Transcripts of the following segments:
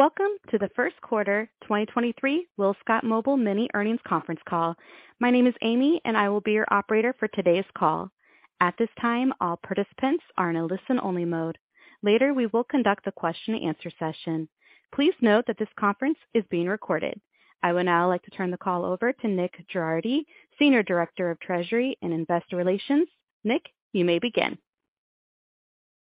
Welcome to the first quarter 2023 WillScot Mobile Mini earnings conference call. My name is Amy. I will be your operator for today's call. At this time, all participants are in a listen-only mode. Later, we will conduct a question-and-answer session. Please note that this conference is being recorded. I would now like to turn the call over to Nick Girardi, Senior Director of Treasury and Investor Relations. Nick, you may begin.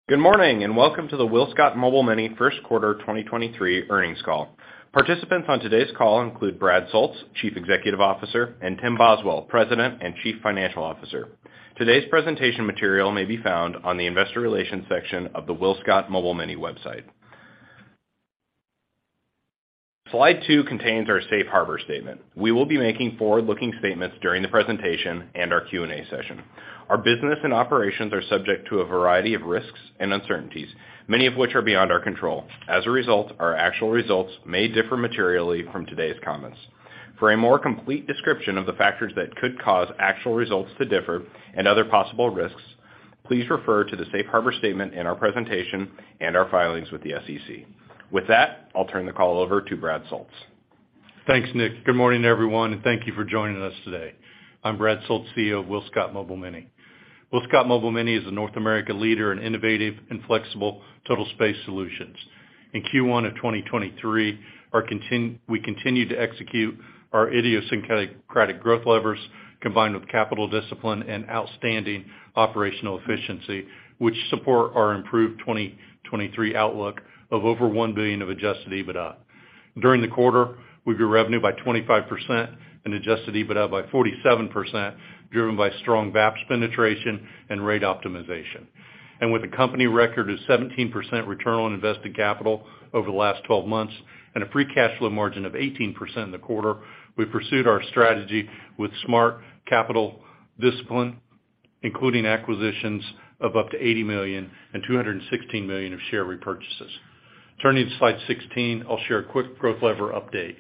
Good morning, and welcome to the WillScot Mobile Mini first quarter 2023 earnings call. Participants on today's call include Brad Soultz, Chief Executive Officer; and Tim Boswell, President and Chief Financial Officer. Today's presentation material may be found on the investor relations section of the WillScot Mobile Mini website. Slide 2 contains our safe harbor statement. We will be making forward-looking statements during the presentation and our Q&A session. Our business and operations are subject to a variety of risks and uncertainties, many of which are beyond our control. As a result, our actual results may differ materially from today's comments. For a more complete description of the factors that could cause actual results to differ and other possible risks, please refer to the safe harbor statement in our presentation and our filings with the SEC. With that, I'll turn the call over to Brad Soultz. Thanks, Nick. Good morning, everyone, and thank you for joining us today. I'm Brad Soultz, CEO of WillScot Mobile Mini. WillScot Mobile Mini is a North American leader in innovative and flexible total space solutions. In Q1 of 2023, we continued to execute our idiosyncratic growth levers combined with capital discipline and outstanding operational efficiency, which support our improved 2023 outlook of over $1 billion of Adjusted EBITDA. During the quarter, we grew revenue by 25% and Adjusted EBITDA by 47%, driven by strong VAPS penetration and rate optimization. With a company record of 17% return on invested capital over the last 12 months and a free cash flow margin of 18% in the quarter, we pursued our strategy with smart capital discipline, including acquisitions of up to $80 million and $216 million of share repurchases. Turning to Slide 16, I'll share a quick growth lever update.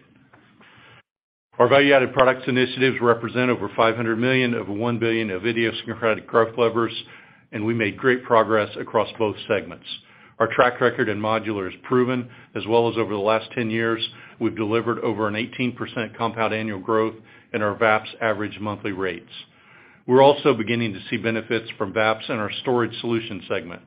Our value-added products initiatives represent over $500 million of $1 billion of idiosyncratic growth levers, and we made great progress across both segments. Our track record in modular is proven, as well as over the last 10 years, we've delivered over an 18% compound annual growth in our VAPS average monthly rates. We're also beginning to see benefits from VAPS in our storage solution segment.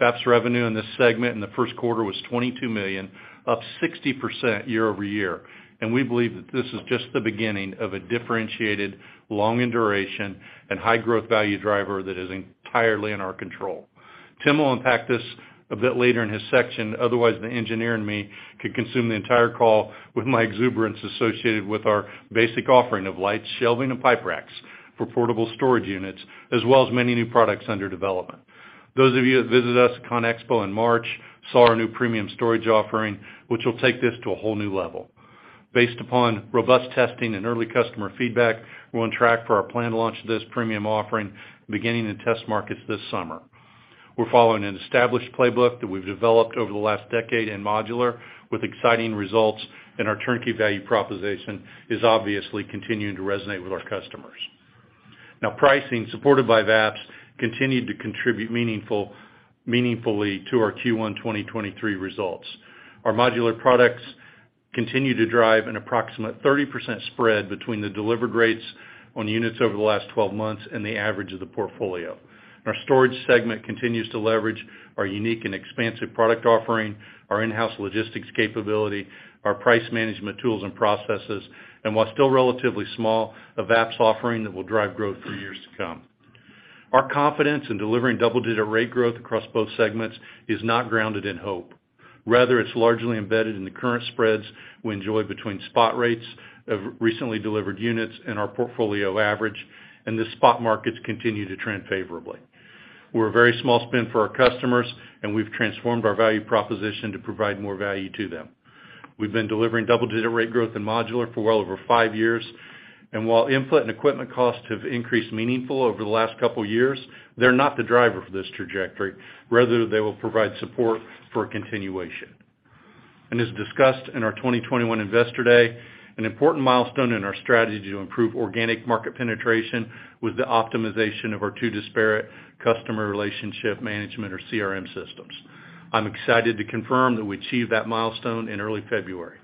VAPS revenue in this segment in the first quarter was $22 million, up 60% year-over-year. We believe that this is just the beginning of a differentiated long in duration and high growth value driver that is entirely in our control. Tim will unpack this a bit later in his section. Otherwise, the engineer in me could consume the entire call with my exuberance associated with our basic offering of lights, shelving, and pipe racks for portable storage units, as well as many new products under development. Those of you that visited us at CONEXPO in March saw our new premium storage offering, which will take this to a whole new level. Based upon robust testing and early customer feedback, we're on track for our planned launch of this premium offering beginning in test markets this summer. We're following an established playbook that we've developed over the last decade in modular with exciting results, and our turnkey value proposition is obviously continuing to resonate with our customers. Now, pricing, supported by VAPS, continued to contribute meaningfully to our Q1 2023 results. Our modular products continue to drive an approximate 30% spread between the delivered rates on units over the last 12 months and the average of the portfolio. Our storage segment continues to leverage our unique and expansive product offering, our in-house logistics capability, our price management tools and processes, and while still relatively small, a VAPS offering that will drive growth for years to come. Our confidence in delivering double-digit rate growth across both segments is not grounded in hope. It's largely embedded in the current spreads we enjoy between spot rates of recently delivered units and our portfolio average, and the spot markets continue to trend favorably. We're a very small spend for our customers, and we've transformed our value proposition to provide more value to them. We've been delivering double-digit rate growth in modular for well over five years, and while input and equipment costs have increased meaningfully over the last couple years, they're not the driver for this trajectory. Rather, they will provide support for a continuation. As discussed in our 2021 Investor Day, an important milestone in our strategy to improve organic market penetration was the optimization of our two disparate customer relationship management or CRM systems. I'm excited to confirm that we achieved that milestone in early February.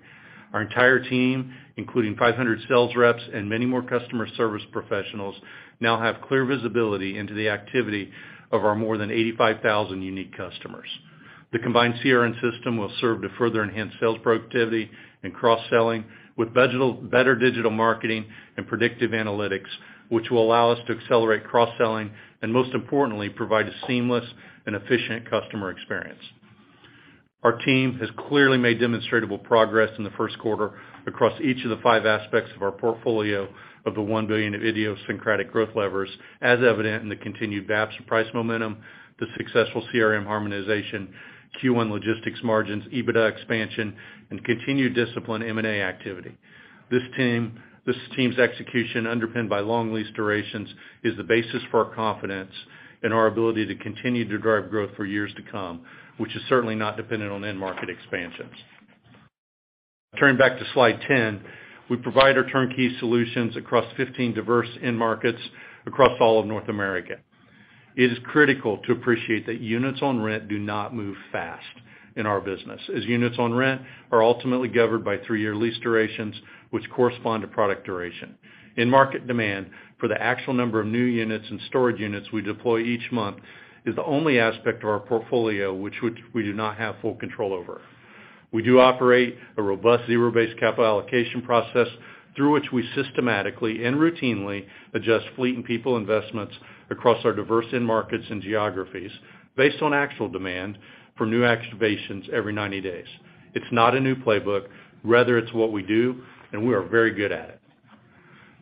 Our entire team, including 500 sales reps and many more customer service professionals, now have clear visibility into the activity of our more than 85,000 unique customers. The combined CRM system will serve to further enhance sales productivity and cross-selling with better digital marketing and predictive analytics, which will allow us to accelerate cross-selling and most importantly, provide a seamless and efficient customer experience. Our team has clearly made demonstrable progress in the first quarter across each of the five aspects of our portfolio of the $1 billion of idiosyncratic growth levers, as evident in the continued VAPS price momentum, the successful CRM harmonization, Q1 logistics margins, EBITDA expansion, and continued discipline M&A activity. This team's execution underpinned by long lease durations is the basis for our confidence in our ability to continue to drive growth for years to come, which is certainly not dependent on end market expansions. Turning back to Slide 10. We provide our turnkey solutions across 15 diverse end markets across all of North America. It is critical to appreciate that units on rent do not move fast in our business, as units on rent are ultimately governed by three-year lease durations, which correspond to product duration. In-market demand for the actual number of new units and storage units we deploy each month is the only aspect of our portfolio which we do not have full control over. We do operate a robust zero-based capital allocation process through which we systematically and routinely adjust fleet and people investments across our diverse end markets and geographies based on actual demand for new activations every 90 days. It's not a new playbook. Rather, it's what we do, and we are very good at it.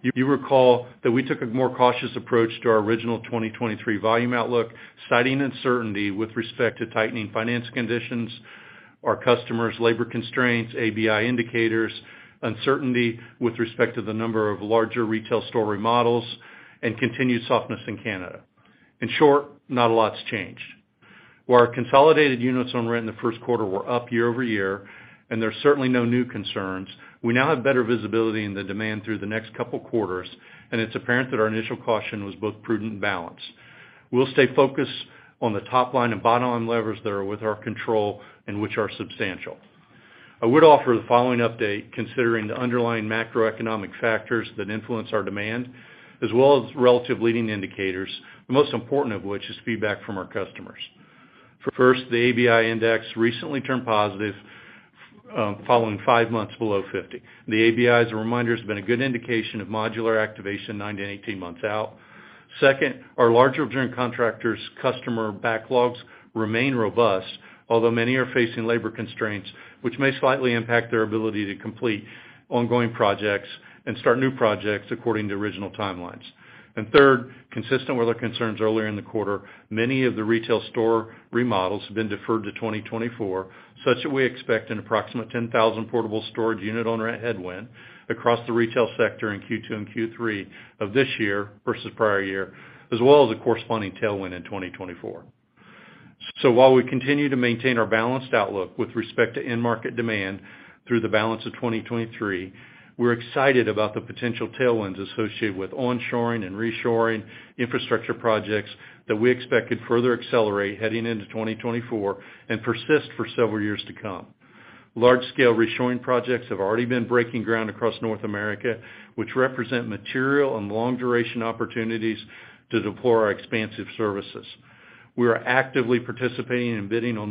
You recall that we took a more cautious approach to our original 2023 volume outlook, citing uncertainty with respect to tightening finance conditions, our customers' labor constraints, ABI indicators, uncertainty with respect to the number of larger retail store remodels, and continued softness in Canada. In short, not a lot's changed. While our consolidated units on rent in the first quarter were up year-over-year, and there's certainly no new concerns, we now have better visibility in the demand through the next couple quarters, and it's apparent that our initial caution was both prudent and balanced. We'll stay focused on the top line and bottom line levers that are with our control and which are substantial. I would offer the following update considering the underlying macroeconomic factors that influence our demand as well as relative leading indicators, the most important of which is feedback from our customers. First, the ABI index recently turned positive, following 5 months below 50. The ABI, as a reminder, has been a good indication of modular activation 9-18 months out. Second, our larger joint contractors customer backlogs remain robust, although many are facing labor constraints, which may slightly impact their ability to complete ongoing projects and start new projects according to original timelines. Third, consistent with our concerns earlier in the quarter, many of the retail store remodels have been deferred to 2024, such that we expect an approximate 10,000 portable storage unit on rent headwind across the retail sector in Q2 and Q3 of this year versus prior year, as well as a corresponding tailwind in 2024. While we continue to maintain our balanced outlook with respect to end market demand through the balance of 2023, we're excited about the potential tailwinds associated with onshoring and reshoring infrastructure projects that we expect could further accelerate heading into 2024 and persist for several years to come. Large-scale reshoring projects have already been breaking ground across North America, which represent material and long-duration opportunities to deploy our expansive services. We are actively participating in bidding on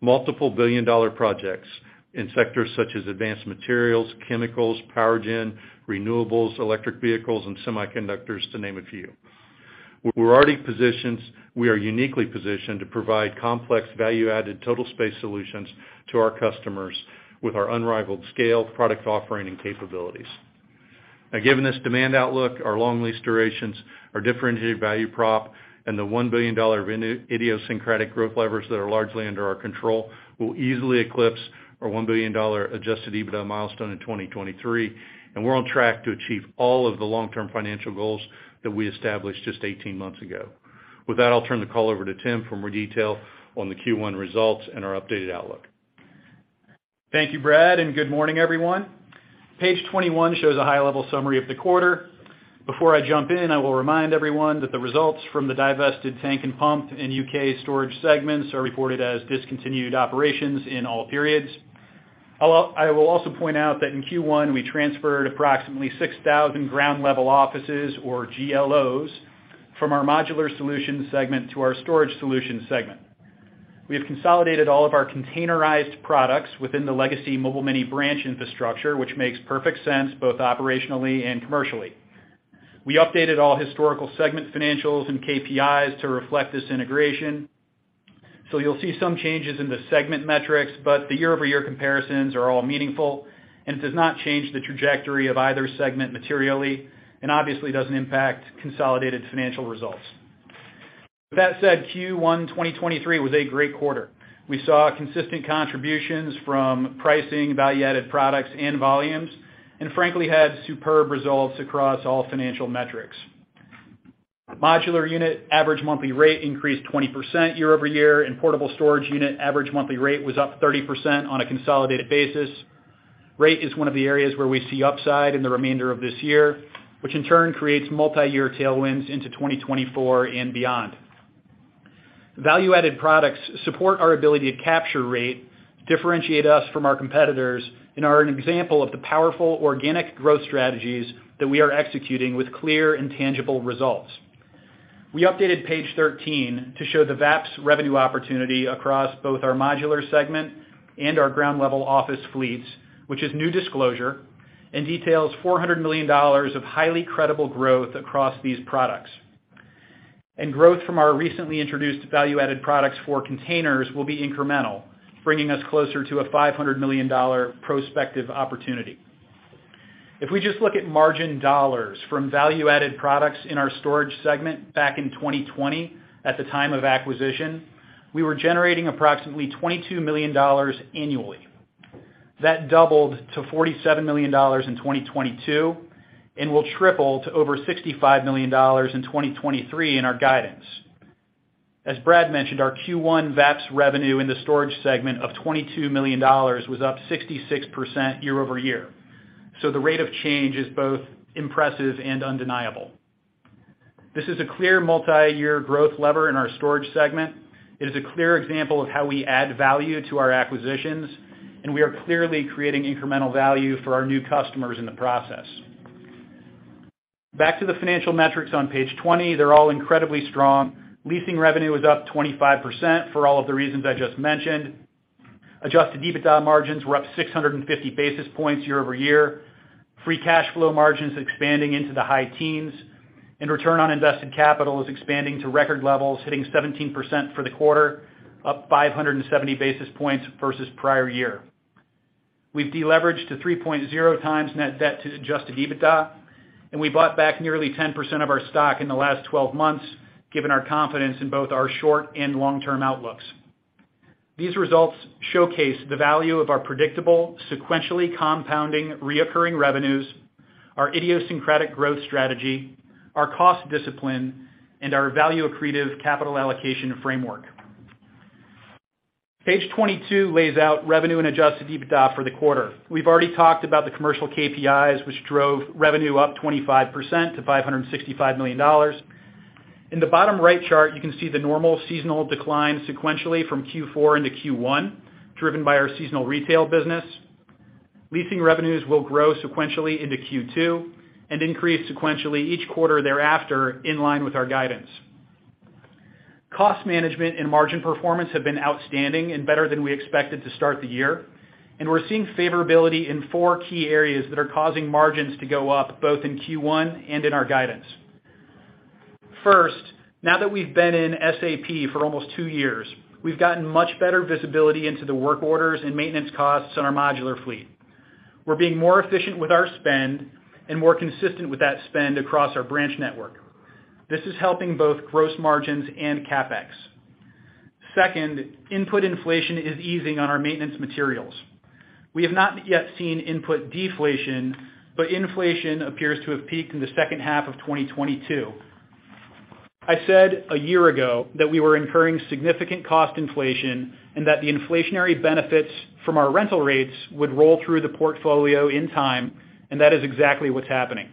multiple billion-dollar projects in sectors such as advanced materials, chemicals, power gen, renewables, electric vehicles, and semiconductors, to name a few. We are uniquely positioned to provide complex, value-added total space solutions to our customers with our unrivaled scale, product offering, and capabilities. Now given this demand outlook, our long lease durations, our differentiated value prop, and the $1 billion of idiosyncratic growth levers that are largely under our control will easily eclipse our $1 billion Adjusted EBITDA milestone in 2023. We're on track to achieve all of the long-term financial goals that we established just 18 months ago. With that, I'll turn the call over to Tim for more detail on the Q1 results and our updated outlook. Thank you, Brad. Good morning, everyone. Page 21 shows a high-level summary of the quarter. Before I jump in, I will remind everyone that the results from the divested tank and pump and U.K. storage segments are reported as discontinued operations in all periods. I will also point out that in Q1, we transferred approximately 6,000 Ground Level Offices or GLOs from our modular solutions segment to our storage solutions segment. We have consolidated all of our containerized products within the legacy Mobile Mini branch infrastructure, which makes perfect sense both operationally and commercially. We updated all historical segment financials and KPIs to reflect this integration. You'll see some changes in the segment metrics, but the year-over-year comparisons are all meaningful and it does not change the trajectory of either segment materially and obviously doesn't impact consolidated financial results. With that said, Q1 2023 was a great quarter. We saw consistent contributions from pricing, value-added products, and volumes. Frankly, had superb results across all financial metrics. Modular unit average monthly rate increased 20% year-over-year. Portable storage unit average monthly rate was up 30% on a consolidated basis. Rate is one of the areas where we see upside in the remainder of this year, which in turn creates multiyear tailwinds into 2024 and beyond. Value-added products support our ability to capture rate, differentiate us from our competitors. Are an example of the powerful organic growth strategies that we are executing with clear and tangible results. We updated Page 13 to show the VAPS revenue opportunity across both our modular segment and our Ground Level Office fleets, which is new disclosure, and details $400 million of highly credible growth across these products. Growth from our recently introduced value-added products for containers will be incremental, bringing us closer to a $500 million prospective opportunity. If we just look at margin dollars from value-added products in our storage segment back in 2020 at the time of acquisition, we were generating approximately $22 million annually. That doubled to $47 million in 2022 and will triple to over $65 million in 2023 in our guidance. As Brad mentioned, our Q1 VAPS revenue in the storage segment of $22 million was up 66% year-over-year. The rate of change is both impressive and undeniable. This is a clear multi-year growth lever in our storage segment. It is a clear example of how we add value to our acquisitions, and we are clearly creating incremental value for our new customers in the process. Back to the financial metrics on Page 20. They're all incredibly strong. Leasing revenue was up 25% for all of the reasons I just mentioned. Adjusted EBITDA margins were up 650 basis points year-over-year. Free cash flow margins expanding into the high teens. Return on invested capital is expanding to record levels, hitting 17% for the quarter, up 570 basis points versus prior year. We've deleveraged to 3.0 times net debt to Adjusted EBITDA, and we bought back nearly 10% of our stock in the last 12 months, given our confidence in both our short and long-term outlooks. These results showcase the value of our predictable, sequentially compounding recurring revenues, our idiosyncratic growth strategy, our cost discipline, and our value accretive capital allocation framework. Page 22 lays out revenue and Adjusted EBITDA for the quarter. We've already talked about the commercial KPIs, which drove revenue up 25% to $565 million. In the bottom right chart, you can see the normal seasonal decline sequentially from Q4 into Q1, driven by our seasonal retail business. Leasing revenues will grow sequentially into Q2 and increase sequentially each quarter thereafter in line with our guidance. Cost management and margin performance have been outstanding and better than we expected to start the year, and we're seeing favorability in four key areas that are causing margins to go up, both in Q1 and in our guidance. First, now that we've been in SAP for almost two years, we've gotten much better visibility into the work orders and maintenance costs on our modular fleet. We're being more efficient with our spend and more consistent with that spend across our branch network. This is helping both gross margins and CapEx. Second, input inflation is easing on our maintenance materials. We have not yet seen input deflation, but inflation appears to have peaked in the second half of 2022. I said a year ago that we were incurring significant cost inflation and that the inflationary benefits from our rental rates would roll through the portfolio in time, and that is exactly what's happening.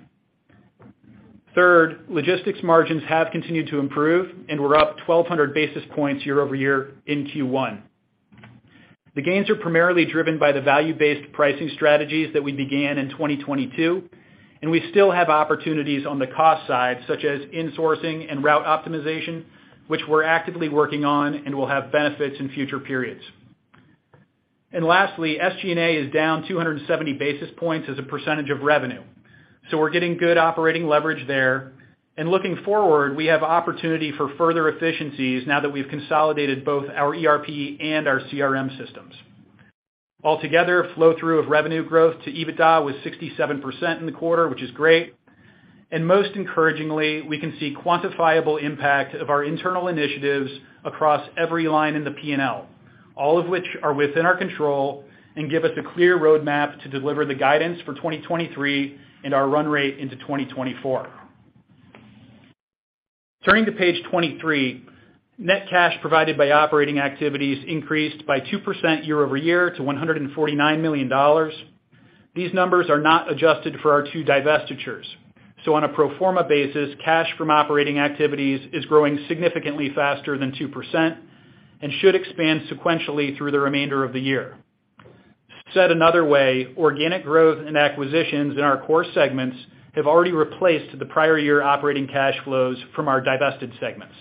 Third, logistics margins have continued to improve, and we're up 1,200 basis points year-over-year in Q1. The gains are primarily driven by the value-based pricing strategies that we began in 2022. We still have opportunities on the cost side, such as insourcing and route optimization, which we're actively working on and will have benefits in future periods. Lastly, SG&A is down 270 basis points as a percentage of revenue. We're getting good operating leverage there. Looking forward, we have opportunity for further efficiencies now that we've consolidated both our ERP and our CRM systems. Altogether, flow-through of revenue growth to EBITDA was 67% in the quarter, which is great. Most encouragingly, we can see quantifiable impact of our internal initiatives across every line in the P&L, all of which are within our control and give us a clear roadmap to deliver the guidance for 2023 and our run rate into 2024. Turning to Page 23, net cash provided by operating activities increased by 2% year-over-year to $149 million. These numbers are not adjusted for our two divestitures. On a pro forma basis, cash from operating activities is growing significantly faster than 2% and should expand sequentially through the remainder of the year. Said another way, organic growth and acquisitions in our core segments have already replaced the prior year operating cash flows from our divested segments.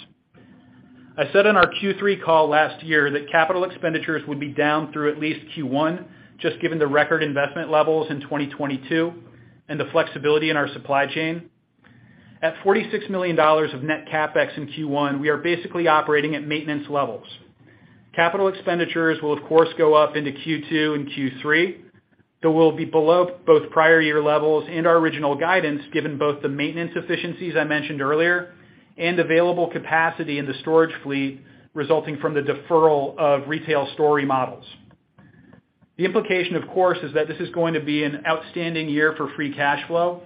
I said in our Q3 call last year that capital expenditures would be down through at least Q1, just given the record investment levels in 2022 and the flexibility in our supply chain. At $46 million of net CapEx in Q1, we are basically operating at maintenance levels. Capital expenditures will of course go up into Q2 and Q3, though will be below both prior year levels and our original guidance, given both the maintenance efficiencies I mentioned earlier and available capacity in the storage fleet resulting from the deferral of retail store remodels. The implication, of course, is that this is going to be an outstanding year for free cash flow.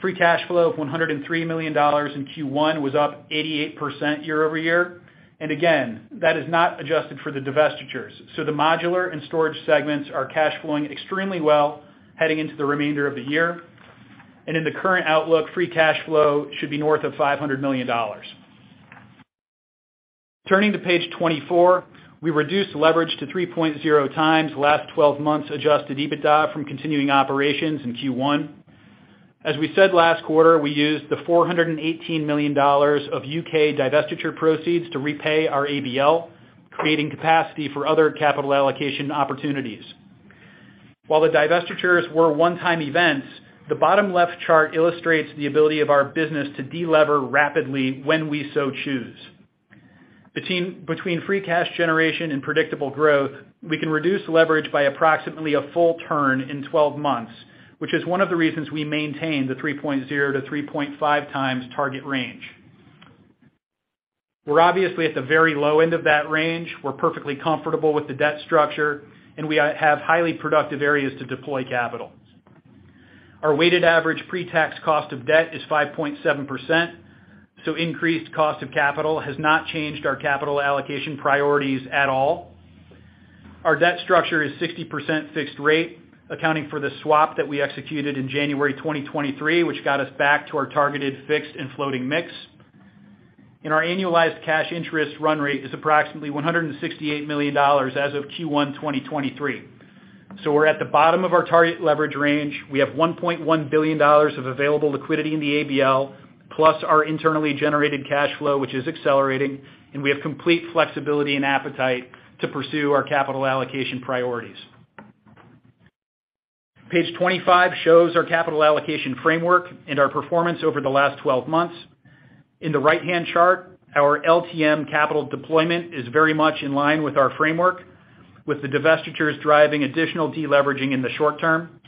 Free cash flow of $103 million in Q1 was up 88% year-over-year. Again, that is not adjusted for the divestitures. The modular and storage segments are cash flowing extremely well heading into the remainder of the year. In the current outlook, free cash flow should be north of $500 million. Turning to Page 24. We reduced leverage to 3.0x last twelve months Adjusted EBITDA from continuing operations in Q1. As we said last quarter, we used the $418 million of U.K. divestiture proceeds to repay our ABL, creating capacity for other capital allocation opportunities. While the divestitures were one-time events, the bottom left chart illustrates the ability of our business to delever rapidly when we so choose. Between free cash generation and predictable growth, we can reduce leverage by approximately a full turn in 12 months, which is one of the reasons we maintain the 3.0-3.5x target range. We're obviously at the very low end of that range. We're perfectly comfortable with the debt structure, we have highly productive areas to deploy capital. Our weighted average pre-tax cost of debt is 5.7%, Increased cost of capital has not changed our capital allocation priorities at all. Our debt structure is 60% fixed rate, accounting for the swap that we executed in January 2023, which got us back to our targeted fixed and floating mix. Our annualized cash interest run rate is approximately $168 million as of Q1 2023. We're at the bottom of our target leverage range. We have $1.1 billion of available liquidity in the ABL, plus our internally generated cash flow, which is accelerating, and we have complete flexibility and appetite to pursue our capital allocation priorities. Page 25 shows our capital allocation framework and our performance over the last 12 months. In the right-hand chart, our LTM capital deployment is very much in line with our framework, with the divestitures driving additional deleveraging in the short term.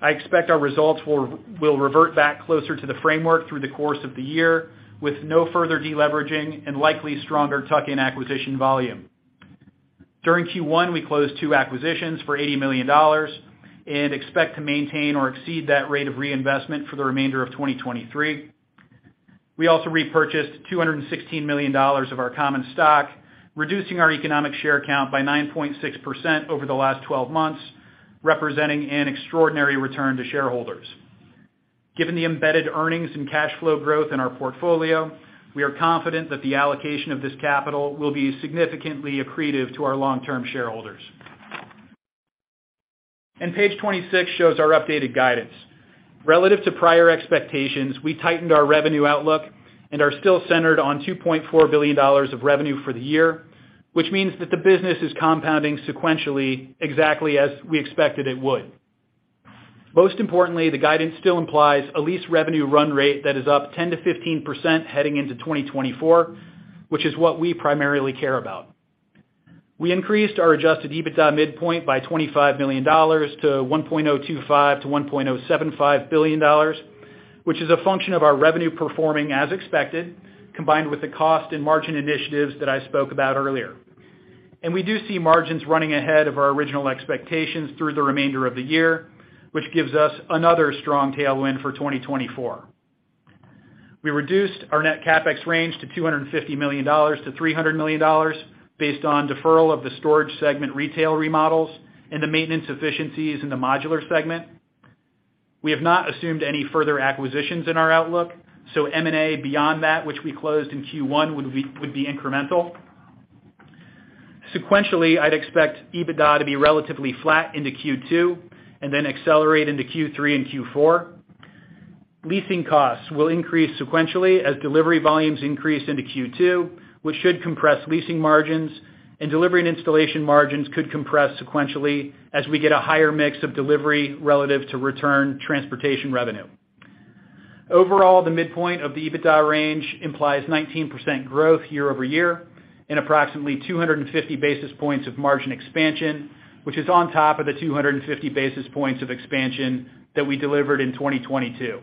I expect our results will revert back closer to the framework through the course of the year, with no further deleveraging and likely stronger tuck-in acquisition volume. During Q1, we closed two acquisitions for $80 million and expect to maintain or exceed that rate of reinvestment for the remainder of 2023. We also repurchased $216 million of our common stock, reducing our economic share count by 9.6% over the last 12 months, representing an extraordinary return to shareholders. Page 26 shows our updated guidance. Relative to prior expectations, we tightened our revenue outlook and are still centered on $2.4 billion of revenue for the year, which means that the business is compounding sequentially exactly as we expected it would. Most importantly, the guidance still implies a lease revenue run rate that is up 10%-15% heading into 2024, which is what we primarily care about. We increased our Adjusted EBITDA midpoint by $25 million to $1.025 billion-$1.075 billion, which is a function of our revenue performing as expected, combined with the cost and margin initiatives that I spoke about earlier. We do see margins running ahead of our original expectations through the remainder of the year, which gives us another strong tailwind for 2024. We reduced our net CapEx range to $250 million-$300 million based on deferral of the storage segment retail remodels and the maintenance efficiencies in the modular segment. We have not assumed any further acquisitions in our outlook. M&A beyond that which we closed in Q1 would be incremental. Sequentially, I'd expect EBITDA to be relatively flat into Q2 and accelerate into Q3 and Q4. Leasing costs will increase sequentially as delivery volumes increase into Q2, which should compress leasing margins. Delivery and installation margins could compress sequentially as we get a higher mix of delivery relative to return transportation revenue. Overall, the midpoint of the EBITDA range implies 19% growth year-over-year and approximately 250 basis points of margin expansion, which is on top of the 250 basis points of expansion that we delivered in 2022.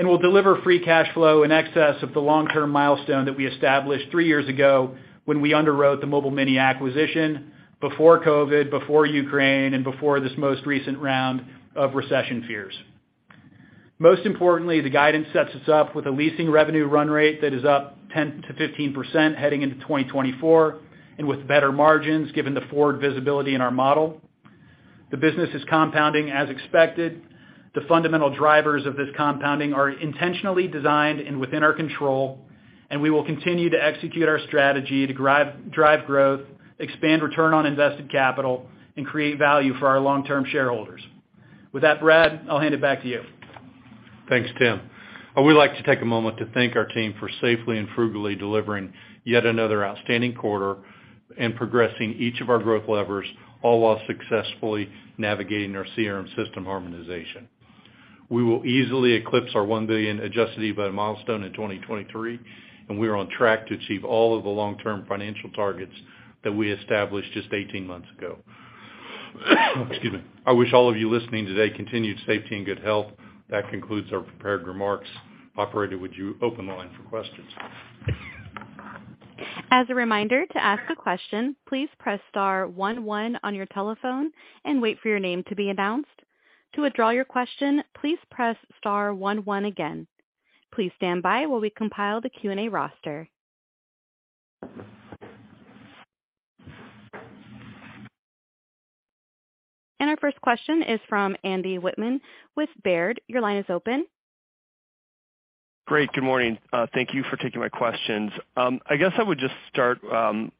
We'll deliver free cash flow in excess of the long-term milestone that we established three years ago when we underwrote the Mobile Mini acquisition before COVID, before Ukraine, and before this most recent round of recession fears. Most importantly, the guidance sets us up with a leasing revenue run rate that is up 10%-15% heading into 2024 and with better margins given the forward visibility in our model. The business is compounding as expected. The fundamental drivers of this compounding are intentionally designed and within our control. We will continue to execute our strategy to drive growth, expand return on invested capital, and create value for our long-term shareholders. With that, Brad, I'll hand it back to you. Thanks, Tim. I would like to take a moment to thank our team for safely and frugally delivering yet another outstanding quarter and progressing each of our growth levers, all while successfully navigating our CRM system harmonization. We will easily eclipse our $1 billion Adjusted EBITDA milestone in 2023, and we are on track to achieve all of the long-term financial targets that we established just 18 months ago. Excuse me. I wish all of you listening today continued safety and good health. That concludes our prepared remarks. Operator, would you open the line for questions? As a reminder, to ask a question, please press star one one on your telephone and wait for your name to be announced. To withdraw your question, please press star one one again. Please stand by while we compile the Q&A roster. Our first question is from Andy Wittmann with Baird. Your line is open. Great. Good morning. Thank you for taking my questions. I guess I would just start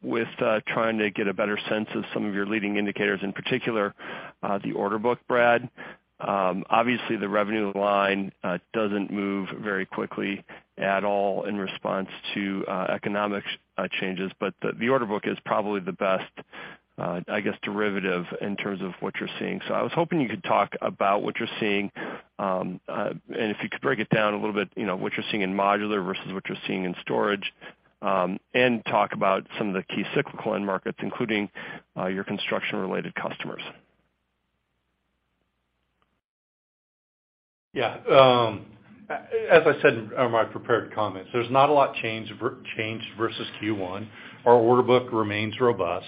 with trying to get a better sense of some of your leading indicators, in particular, the order book, Brad. Obviously the revenue line doesn't move very quickly at all in response to economic changes, but the order book is probably the best, I guess derivative in terms of what you're seeing. I was hoping you could talk about what you're seeing, and if you could break it down a little bit, you know, what you're seeing in modular versus what you're seeing in storage, and talk about some of the key cyclical end markets, including your construction-related customers. Yeah. As I said in, on my prepared comments, there's not a lot changed versus Q1. Our order book remains robust.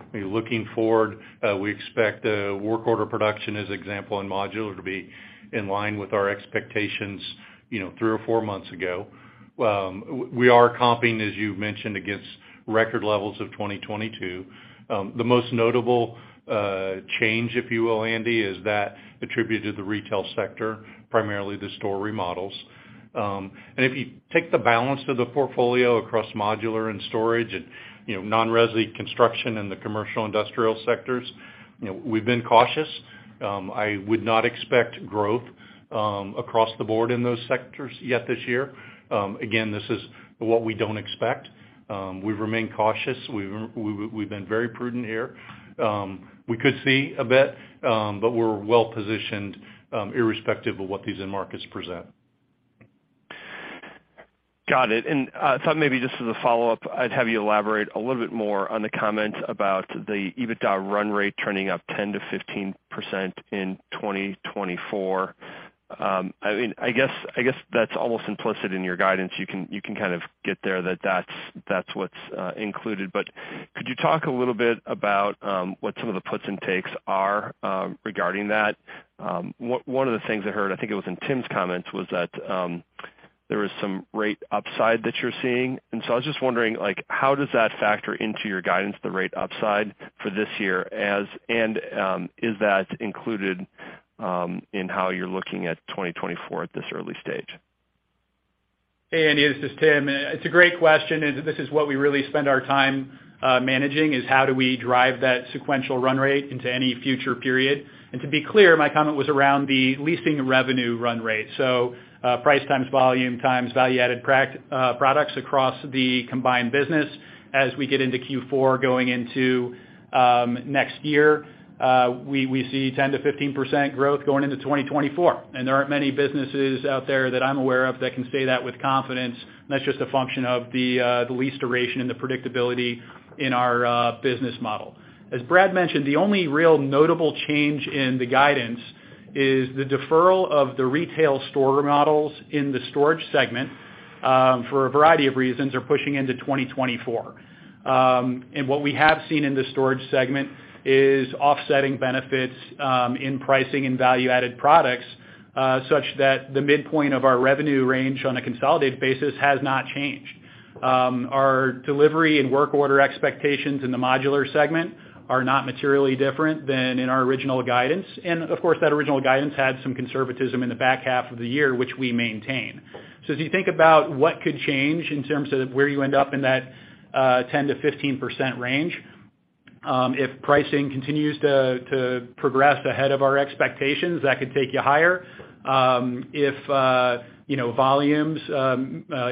I mean, looking forward, we expect work order production, as example, in modular to be in line with our expectations, you know, three or four months ago. We are comping, as you mentioned, against record levels of 2022. The most notable change, if you will, Andy, is that attributed to the retail sector, primarily the store remodels. And if you take the balance of the portfolio across modular and storage and, you know, non-resi construction and the commercial industrial sectors, you know, we've been cautious. I would not expect growth across the board in those sectors yet this year. Again, this is what we don't expect. We remain cautious. We've been very prudent here. We could see a bit, but we're well positioned, irrespective of what these end markets present. Got it. Maybe just as a follow-up, I'd have you elaborate a little bit more on the comment about the EBITDA run rate turning up 10%-15% in 2024. I mean, that's almost implicit in your guidance. You can kind of get there that that's what's included. Could you talk a little bit about what some of the puts and takes are regarding that? One of the things I heard, I think it was in Tim's comments, was that there was some rate upside that you're seeing. I was just wondering, like, how does that factor into your guidance, the rate upside for this year, and is that included in how you're looking at 2024 at this early stage? Hey, Andy, this is Tim. It's a great question, this is what we really spend our time managing, is how do we drive that sequential run rate into any future period. To be clear, my comment was around the leasing revenue run rate. Price times volume times value-added products across the combined business as we get into Q4 going into next year, we see 10%-15% growth going into 2024. There aren't many businesses out there that I'm aware of that can say that with confidence, that's just a function of the lease duration and the predictability in our business model. As Brad mentioned, the only real notable change in the guidance is the deferral of the retail store remodels in the storage segment, for a variety of reasons, are pushing into 2024. What we have seen in the storage segment is offsetting benefits in pricing and value-added products, such that the midpoint of our revenue range on a consolidated basis has not changed. Our delivery and work order expectations in the modular segment are not materially different than in our original guidance. Of course, that original guidance had some conservatism in the back half of the year, which we maintain. As you think about what could change in terms of where you end up in that 10%-15% range, if pricing continues to progress ahead of our expectations, that could take you higher. If, you know, volumes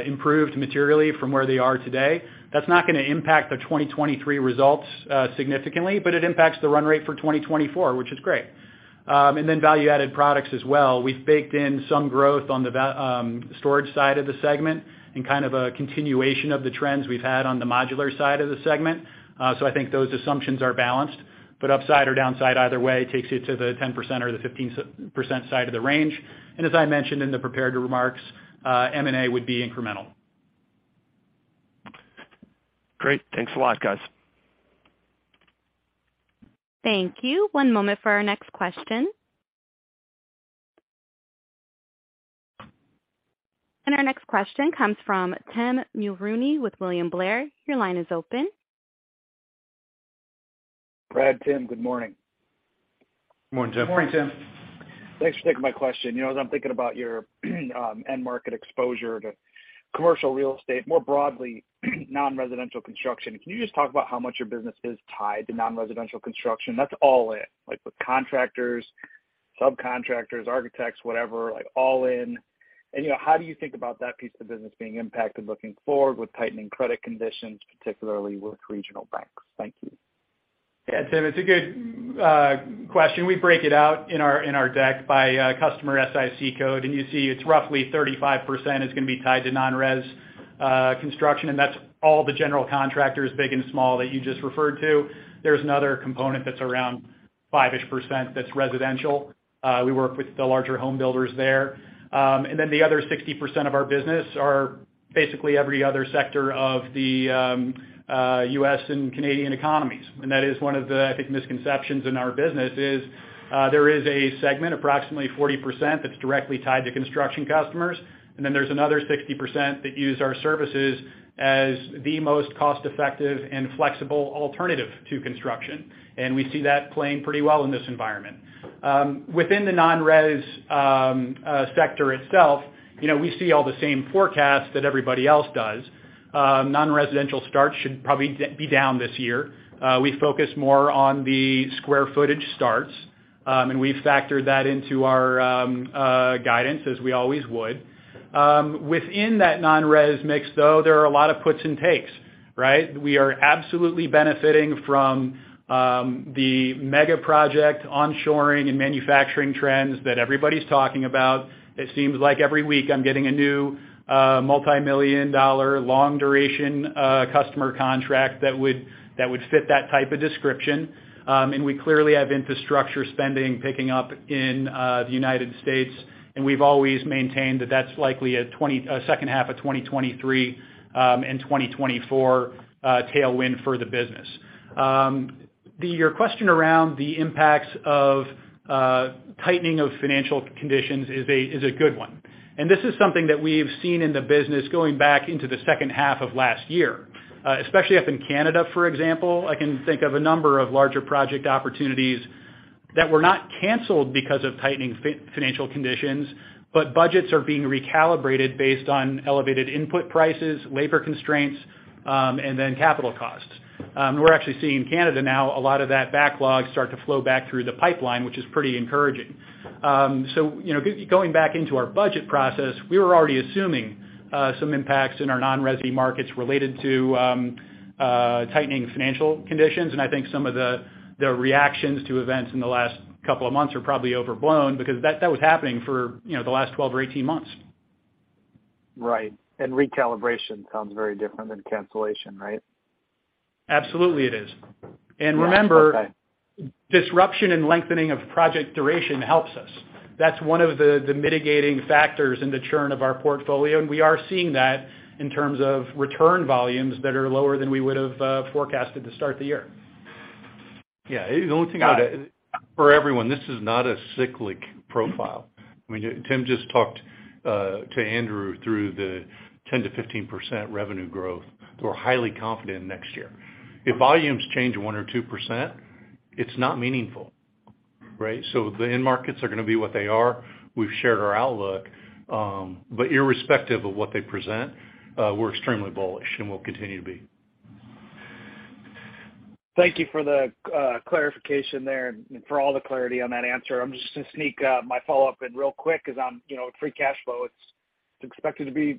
improve materially from where they are today, that's not gonna impact the 2023 results significantly, but it impacts the run rate for 2024, which is great. And then value-added products as well. We've baked in some growth on the storage side of the segment and kind of a continuation of the trends we've had on the modular side of the segment. So I think those assumptions are balanced, but upside or downside either way takes you to the 10% or the 15% side of the range. As I mentioned in the prepared remarks, M&A would be incremental. Great. Thanks a lot, guys. Thank you. One moment for our next question. Our next question comes from Tim Mulrooney with William Blair. Your line is open. Brad, Tim, good morning. Morning, Tim. Morning, Tim. Thanks for taking my question. You know, as I'm thinking about your, end market exposure to commercial real estate, more broadly, non-residential construction, can you just talk about how much your business is tied to non-residential construction? That's all in, like the contractors, subcontractors, architects, whatever, like all in. You know, how do you think about that piece of the business being impacted looking forward with tightening credit conditions, particularly with regional banks? Thank you. Yeah, Tim, it's a good question. We break it out in our deck by customer SIC code, and you see it's roughly 35% is gonna be tied to non-res construction, and that's all the general contractors, big and small, that you just referred to. There's another component that's around 5% that's residential. We work with the larger home builders there. Then the other 60% of our business are basically every other sector of the U.S. and Canadian economies. That is one of the, I think, misconceptions in our business is, there is a segment, approximately 40%, that's directly tied to construction customers. Then there's another 60% that use our services as the most cost-effective and flexible alternative to construction. We see that playing pretty well in this environment. Within the non-res sector itself, you know, we see all the same forecasts that everybody else does. Non-residential starts should probably be down this year. We focus more on the square footage starts, and we've factored that into our guidance as we always would. Within that non-res mix, though, there are a lot of puts and takes, right? We are absolutely benefiting from the mega project onshoring and manufacturing trends that everybody's talking about. It seems like every week I'm getting a new multimillion-dollar, long-duration customer contract that would, that would fit that type of description. We clearly have infrastructure spending picking up in the United States, and we've always maintained that that's likely a second half of 2023 and 2024 tailwind for the business. Your question around the impacts of tightening of financial conditions is a good one. This is something that we've seen in the business going back into the second half of last year, especially up in Canada, for example. I can think of a number of larger project opportunities that were not canceled because of tightening financial conditions, but budgets are being recalibrated based on elevated input prices, labor constraints, and then capital costs. We're actually seeing Canada now, a lot of that backlog start to flow back through the pipeline, which is pretty encouraging. you know, going back into our budget process, we were already assuming some impacts in our non-resy markets related to tightening financial conditions. I think some of the reactions to events in the last couple of months are probably overblown because that was happening for, you know, the last 12 or 18 months. Right. Recalibration sounds very different than cancellation, right? Absolutely, it is. remember- Okay... disruption and lengthening of project duration helps us. That's one of the mitigating factors in the churn of our portfolio. We are seeing that in terms of return volumes that are lower than we would've forecasted to start the year. Yeah. The only thing I'd add, for everyone, this is not a cyclic profile. I mean, Tim just talked to Andrew through the 10%-15% revenue growth. We're highly confident next year. If volumes change 1 or 2%, it's not meaningful, right? The end markets are gonna be what they are. We've shared our outlook, irrespective of what they present, we're extremely bullish and will continue to be. Thank you for the clarification there and for all the clarity on that answer. I'm just gonna sneak my follow-up in real quick is on, you know, free cash flow. It's expected to be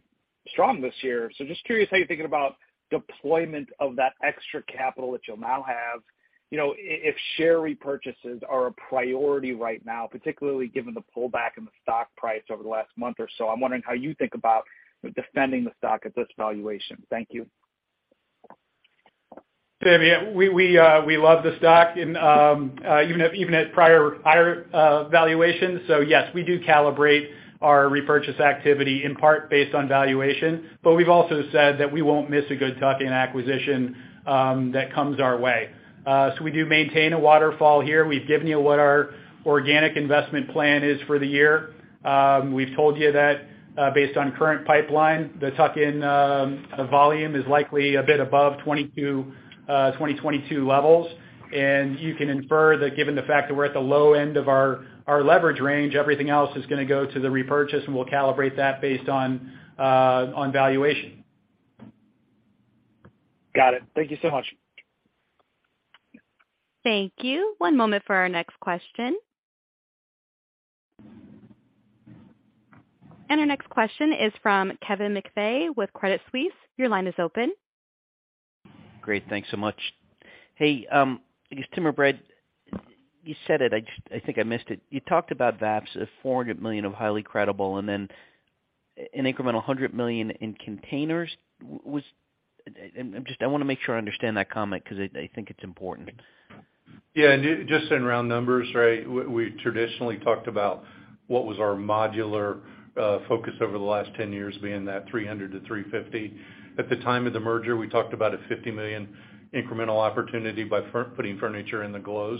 strong this year. Just curious how you're thinking about deployment of that extra capital that you'll now have, you know, if share repurchases are a priority right now, particularly given the pullback in the stock price over the last month or so. I'm wondering how you think about defending the stock at this valuation. Thank you. Tim, yeah, we love the stock and even at prior, higher, valuations. Yes, we do calibrate our repurchase activity in part based on valuation, but we've also said that we won't miss a good tuck-in acquisition that comes our way. We do maintain a waterfall here. We've given you what our organic investment plan is for the year. We've told you that based on current pipeline, the tuck-in volume is likely a bit above 2022 levels. You can infer that given the fact that we're at the low end of our leverage range, everything else is gonna go to the repurchase, and we'll calibrate that based on valuation. Got it. Thank you so much. Thank you. One moment for our next question. Our next question is from Kevin McVeigh with Credit Suisse. Your line is open. Great. Thanks so much. Hey, I guess, Tim or Brad, you said it, I just, I think I missed it. You talked about VAPS of $400 million of highly credible and then an incremental $100 million in containers. I'm just, I wanna make sure I understand that comment 'cause I think it's important. Yeah. Just in round numbers, right? We traditionally talked about what was our modular focus over the last 10 years being that $300 million-$350 million. At the time of the merger, we talked about a $50 million incremental opportunity by putting furniture in the GLOs.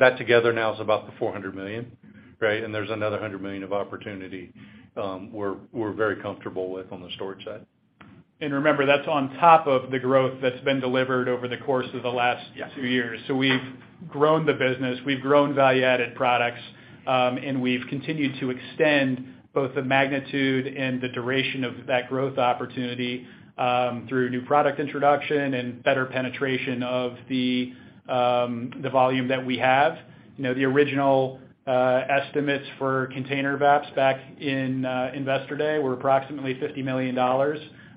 That together now is about the $400 million, right? There's another $100 million of opportunity, we're very comfortable with on the storage side. Remember, that's on top of the growth that's been delivered over the course of the last two years. We've grown the business, we've grown value-added products, and we've continued to extend both the magnitude and the duration of that growth opportunity through new product introduction and better penetration of the volume that we have. You know, the original estimates for container VAPS back in Investor Day were approximately $50 million.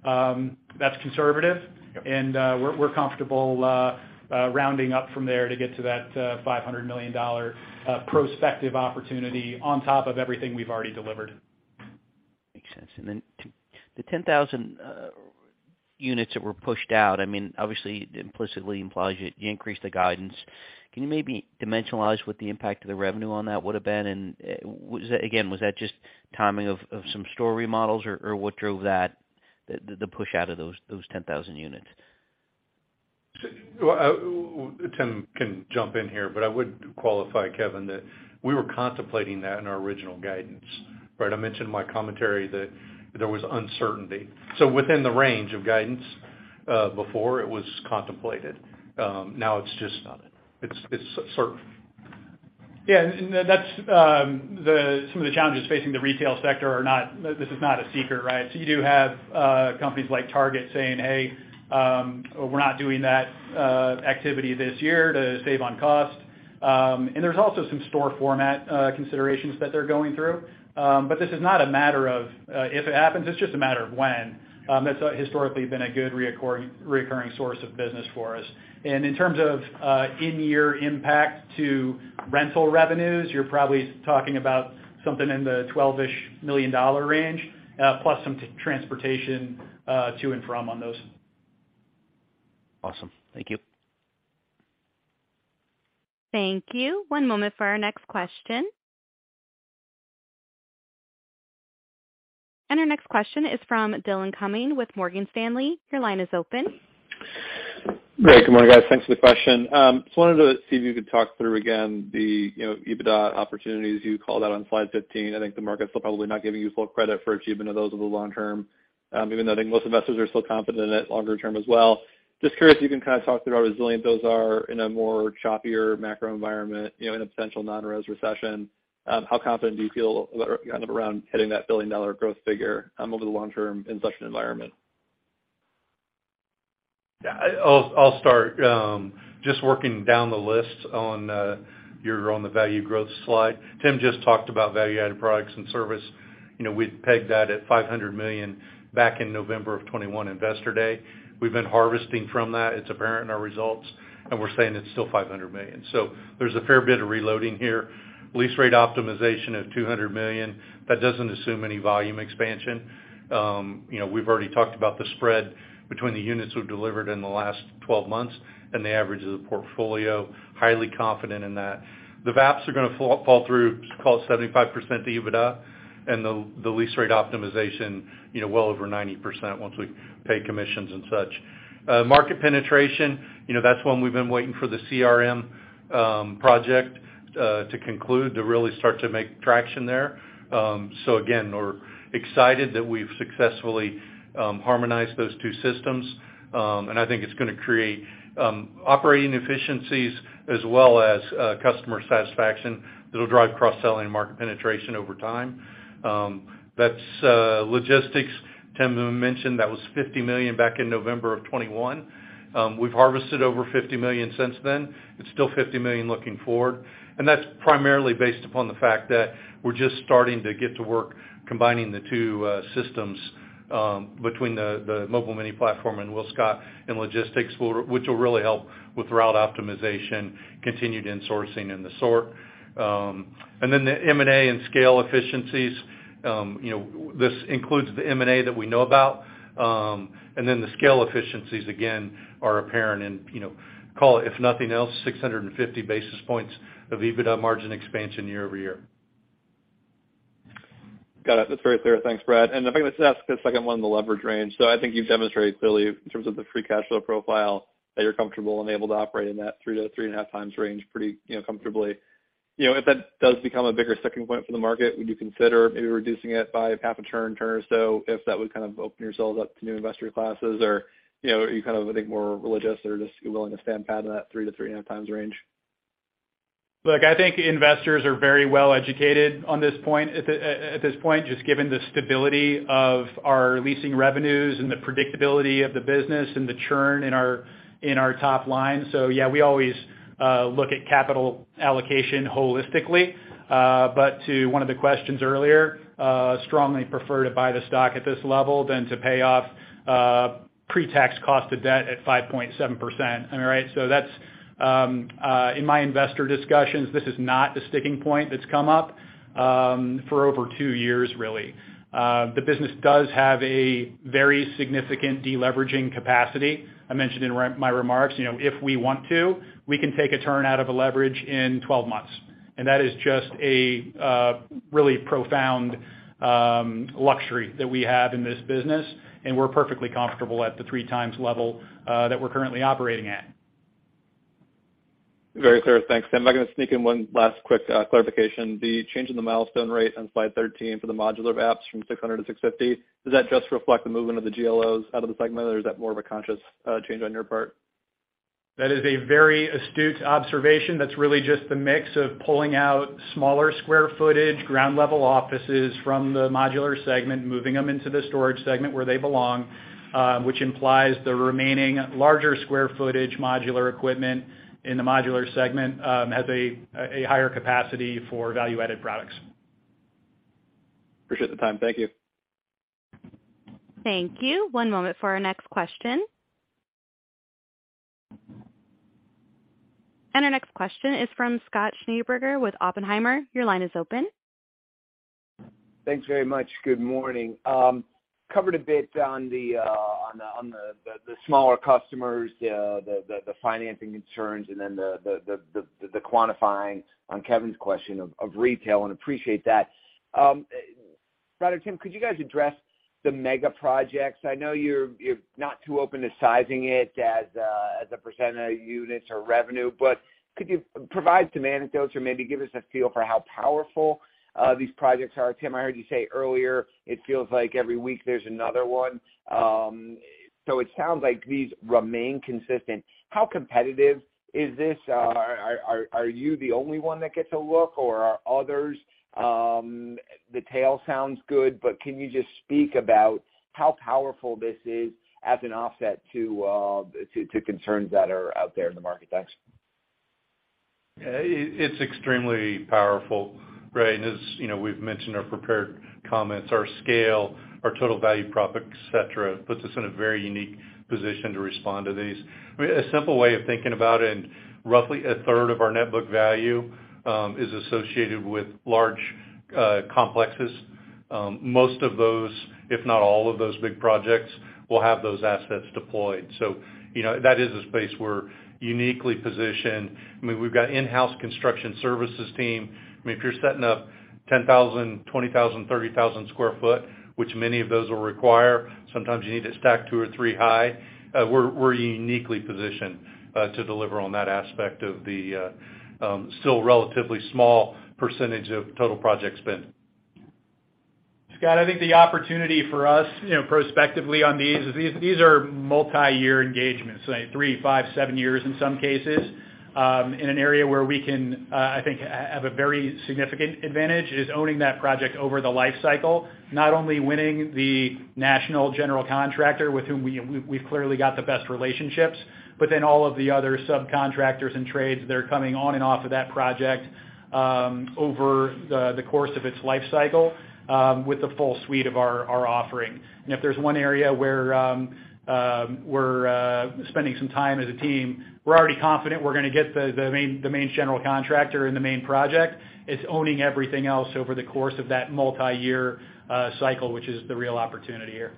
That's conservative. Yep. We're comfortable rounding up from there to get to that $500 million prospective opportunity on top of everything we've already delivered. Makes sense. Then the 10,000 units that were pushed out, I mean, obviously implicitly implies you increased the guidance. Can you maybe dimensionalize what the impact of the revenue on that would've been? Was that just timing of some store remodels or what drove that, the push out of those 10,000 units? Well, Tim can jump in here, but I would qualify, Kevin, that we were contemplating that in our original guidance, right? I mentioned in my commentary that there was uncertainty. Within the range of guidance, before it was contemplated, now it's just not. It's sort of. Yeah. That's some of the challenges facing the retail sector are not, this is not a secret, right? You do have companies like Target saying, "Hey, we're not doing that activity this year to save on cost." There's also some store format considerations that they're going through. This is not a matter of if it happens, it's just a matter of when. That's historically been a good reoccurring source of business for us. In terms of in-year impact to rental revenues, you're probably talking about something in the $12-ish million range, plus some transportation to and from on those. Awesome. Thank you. Thank you. One moment for our next question. Our next question is from Dillon Cumming with Morgan Stanley. Your line is open. Great. Good morning, guys. Thanks for the question. Just wanted to see if you could talk through again the, you know, EBITDA opportunities you called out on Slide 15. I think the market's still probably not giving you full credit for achievement of those over the long term, even though I think most investors are still confident in it longer term as well. Just curious if you can kind of talk through how resilient those are in a more choppier macro environment, you know, in a potential non-res recession. How confident do you feel kind of around hitting that billion-dollar growth figure, over the long term in such an environment? Yeah, I'll start, just working down the list on the value growth slide. Tim just talked about value-added products and service. You know, we'd pegged that at $500 million back in November of 2021 Investor Day. We've been harvesting from that. It's apparent in our results. We're saying it's still $500 million. There's a fair bit of reloading here. Lease rate optimization of $200 million, that doesn't assume any volume expansion. You know, we've already talked about the spread between the units we've delivered in the last 12 months and the average of the portfolio. Highly confident in that. The VAPS are gonna fall through call it 75% to EBITDA and the lease rate optimization, you know, well over 90% once we pay commissions and such. Market penetration, you know, that's one we've been waiting for the CRM project to conclude to really start to make traction there. So again, we're excited that we've successfully harmonized those two systems. And I think it's gonna create operating efficiencies as well as customer satisfaction that'll drive cross-selling and market penetration over time. That's logistics. Tim mentioned that was $50 million back in November 2021. We've harvested over $50 million since then. It's still $50 million looking forward, and that's primarily based upon the fact that we're just starting to get to work combining the two systems between the Mobile Mini platform and WillScot in logistics, which will really help with route optimization, continued insourcing in the sort. The M&A and scale efficiencies, this includes the M&A that we know about, and then the scale efficiencies, again, are apparent in, if nothing else, 650 basis points of EBITDA margin expansion year-over-year. Got it. That's very clear. Thanks, Brad. If I could just ask the second one, the leverage range. I think you've demonstrated clearly in terms of the free cash flow profile that you're comfortable and able to operate in that 3 to 3.5x range pretty, you know, comfortably. You know, if that does become a bigger sticking point for the market, would you consider maybe reducing it by half a turn or so if that would kind of open yourselves up to new investor classes? You know, are you kind of, I think, more religious or just willing to stand pat in that 3 to 3.5x range? Look, I think investors are very well educated on this point, at this point, just given the stability of our leasing revenues and the predictability of the business and the churn in our top line. Yeah, we always look at capital allocation holistically. To one of the questions earlier, strongly prefer to buy the stock at this level than to pay off pre-tax cost of debt at 5.7%. All right. That's in my investor discussions, this is not a sticking point that's come up for over two years, really. The business does have a very significant deleveraging capacity. I mentioned in my remarks, you know, if we want to, we can take a turn out of a leverage in 12 months. That is just a really profound luxury that we have in this business, and we're perfectly comfortable at the three times level that we're currently operating at. Very clear. Thanks, Tim. I'm gonna sneak in one last quick clarification. The change in the milestone rate on Slide 13 for the modular VAPS from $600-$650, does that just reflect the movement of the GLOs out of the segment, or is that more of a conscious change on your part? That is a very astute observation. That's really just the mix of pulling out smaller square footage, ground level offices from the modular segment, moving them into the storage segment where they belong, which implies the remaining larger square footage modular equipment in the modular segment, has a higher capacity for value-added products. Appreciate the time. Thank you. Thank you. One moment for our next question. Our next question is from Scott Schneeberger with Oppenheimer. Your line is open. Thanks very much. Good morning. Covered a bit on the smaller customers, the financing concerns, and then the quantifying on Kevin's question of retail. Appreciate that. Brad or Tim, could you guys address the mega projects? I know you're not too open to sizing it as a percent of units or revenue, but could you provide some anecdotes or maybe give us a feel for how powerful these projects are? Tim, I heard you say earlier it feels like every week there's another one. It sounds like these remain consistent. How competitive is this? Are you the only one that gets a look or are others? The tale sounds good, can you just speak about how powerful this is as an offset to concerns that are out there in the market? Thanks. It's extremely powerful, right? As, you know, we've mentioned our prepared comments, our scale, our total value prop, et cetera, puts us in a very unique position to respond to these. I mean, a simple way of thinking about it, and roughly a third of our net book value is associated with large complexes. Most of those, if not all of those big projects, will have those assets deployed. You know, that is a space we're uniquely positioned. I mean, we've got in-house construction services team. I mean, if you're setting up 10,000, 20,000, 30,000 sq ft, which many of those will require, sometimes you need to stack two or three high, we're uniquely positioned to deliver on that aspect of the still relatively small percentage of total project spend. Scott, I think the opportunity for us, you know, prospectively on these is these are multi-year engagements, say three, five, seven years in some cases, in an area where we can, I think, have a very significant advantage, is owning that project over the life cycle. Not only winning the national general contractor with whom we've clearly got the best relationships, but then all of the other subcontractors and trades that are coming on and off of that project, over the course of its life cycle, with the full suite of our offering. If there's one area where we're spending some time as a team, we're already confident we're gonna get the main general contractor and the main project. It's owning everything else over the course of that multi-year cycle, which is the real opportunity here.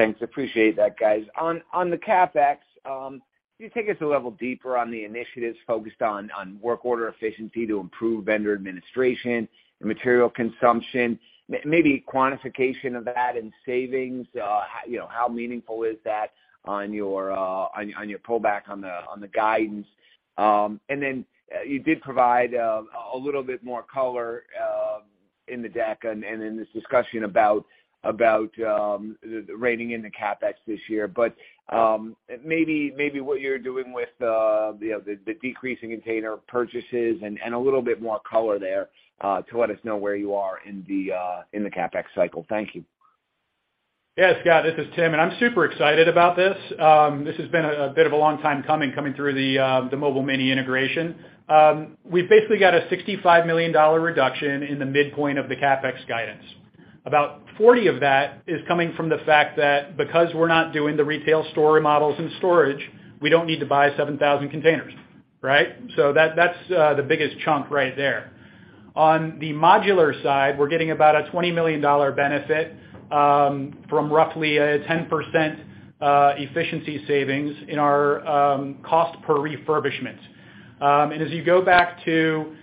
Thanks. Appreciate that, guys. On the CapEx, can you take us a level deeper on the initiatives focused on work order efficiency to improve vendor administration and material consumption? Maybe quantification of that in savings, how, you know, how meaningful is that on your pullback on the guidance? You did provide a little bit more color in the deck and in this discussion about reining in the CapEx this year, but maybe what you're doing with the decreasing container purchases and a little bit more color there to let us know where you are in the CapEx cycle. Thank you. Yeah, Scott, this is Tim. I'm super excited about this. This has been a bit of a long time coming through the Mobile Mini integration. We've basically got a $65 million reduction in the midpoint of the CapEx guidance. About 40 of that is coming from the fact that because we're not doing the retail store remodels and storage, we don't need to buy 7,000 containers, right? That's the biggest chunk right there. On the modular side, we're getting about a $20 million benefit from roughly a 10% efficiency savings in our cost per refurbishment. As you go back to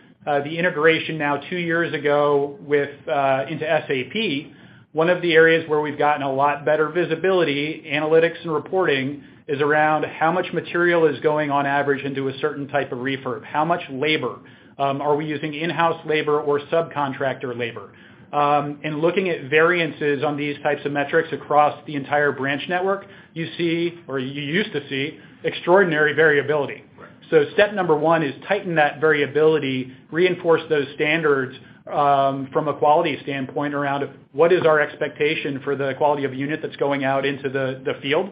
the integration now two years ago with into SAP, one of the areas where we've gotten a lot better visibility, analytics, and reporting is around how much material is going on average into a certain type of refurb. How much labor? Are we using in-house labor or subcontractor labor? Looking at variances on these types of metrics across the entire branch network, you see, or you used to see extraordinary variability. Right. Step number one is tighten that variability, reinforce those standards, from a quality standpoint around what is our expectation for the quality of unit that's going out into the field.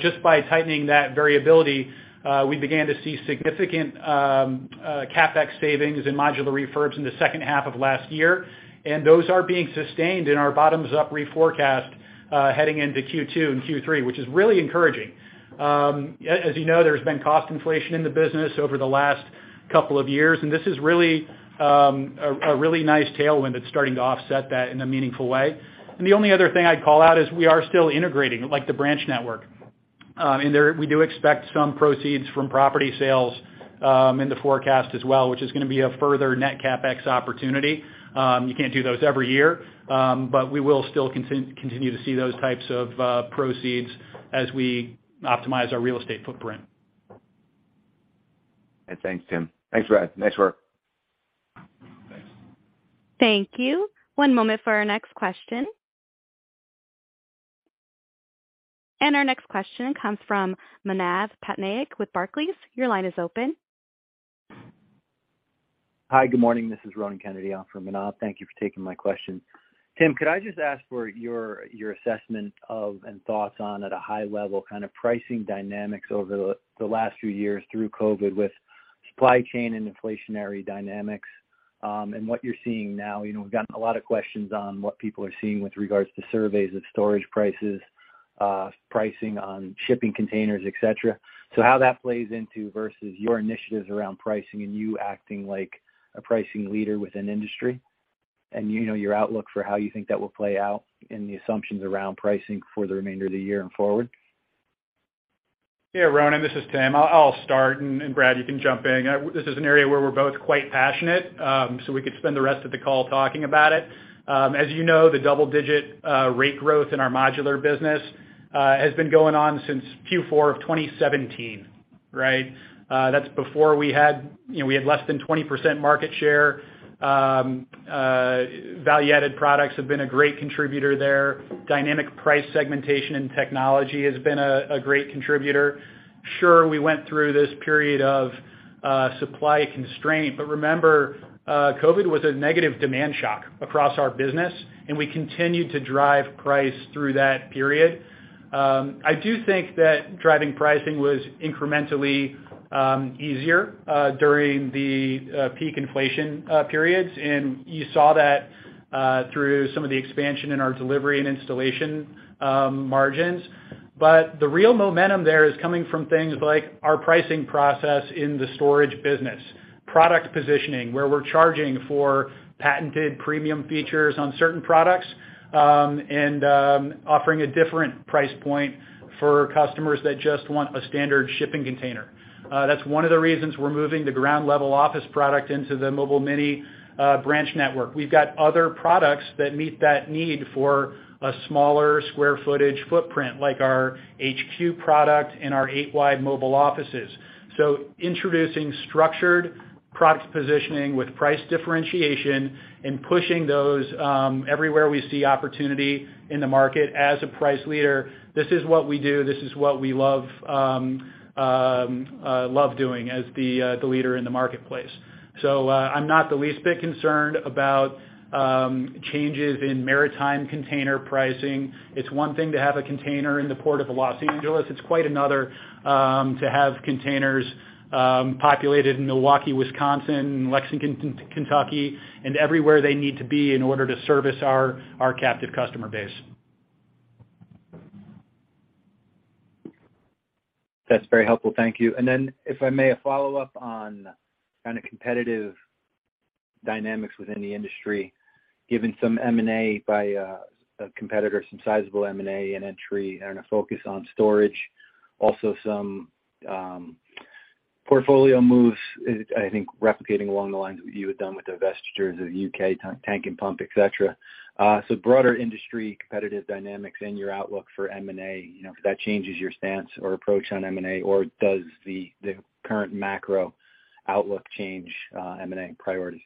Just by tightening that variability, we began to see significant CapEx savings in modular refurbs in the second half of last year, and those are being sustained in our bottoms-up reforecast, heading into Q2 and Q3, which is really encouraging. As you know, there's been cost inflation in the business over the last two years, and this is really a really nice tailwind that's starting to offset that in a meaningful way. The only other thing I'd call out is we are still integrating, like the branch network. There, we do expect some proceeds from property sales, in the forecast as well, which is gonna be a further net CapEx opportunity. You can't do those every year, but we will still continue to see those types of, proceeds as we optimize our real estate footprint. Thanks, Tim. Thanks, Brad. Nice work. Thanks. Thank you. One moment for our next question. Our next question comes from Manav Patnaik with Barclays. Your line is open. Hi, good morning. This is Ronan Kennedy on for Manav. Thank you for taking my question. Tim, could I just ask for your assessment of and thoughts on, at a high level, kind of pricing dynamics over the last few years through COVID with supply chain and inflationary dynamics, and what you're seeing now? You know, we've gotten a lot of questions on what people are seeing with regards to surveys of storage prices, pricing on shipping containers, et cetera. How that plays into versus your initiatives around pricing and you acting like a pricing leader within industry? You know, your outlook for how you think that will play out and the assumptions around pricing for the remainder of the year and forward. Yeah, Ronan, this is Tim. I'll start, and Brad, you can jump in. This is an area where we're both quite passionate, so we could spend the rest of the call talking about it. As you know, the double-digit rate growth in our modular business has been going on since Q4 of 2017, right? That's before we had, you know, we had less than 20% market share. Value-added products have been a great contributor there. Dynamic price segmentation and technology has been a great contributor. Sure, we went through this period of supply constraint, but remember, COVID was a negative demand shock across our business, and we continued to drive price through that period. I do think that driving pricing was incrementally easier during the peak inflation periods. You saw that through some of the expansion in our delivery and installation margins. The real momentum there is coming from things like our pricing process in the storage business, product positioning, where we're charging for patented premium features on certain products, and offering a different price point for customers that just want a standard shipping container. That's one of the reasons we're moving the Ground Level Office product into the Mobile Mini branch network. We've got other products that meet that need for a smaller square footage footprint, like our HQ product and our eight-wide mobile offices. Introducing structured product positioning with price differentiation and pushing those everywhere we see opportunity in the market as a price leader, this is what we do, this is what we love doing as the leader in the marketplace. I'm not the least bit concerned about changes in maritime container pricing. It's one thing to have a container in the Port of Los Angeles, it's quite another to have containers populated in Milwaukee, Wisconsin, and Lexington, Kentucky, and everywhere they need to be in order to service our captive customer base. That's very helpful. Thank you. If I may follow up on kind of competitive dynamics within the industry, given some M&A by a competitor, some sizable M&A and entry and a focus on storage. Also some portfolio moves, I think replicating along the lines of what you had done with the investors of U.K. Tank and Pump, et cetera. Broader industry competitive dynamics and your outlook for M&A, you know, if that changes your stance or approach on M&A, or does the current macro outlook change M&A priorities?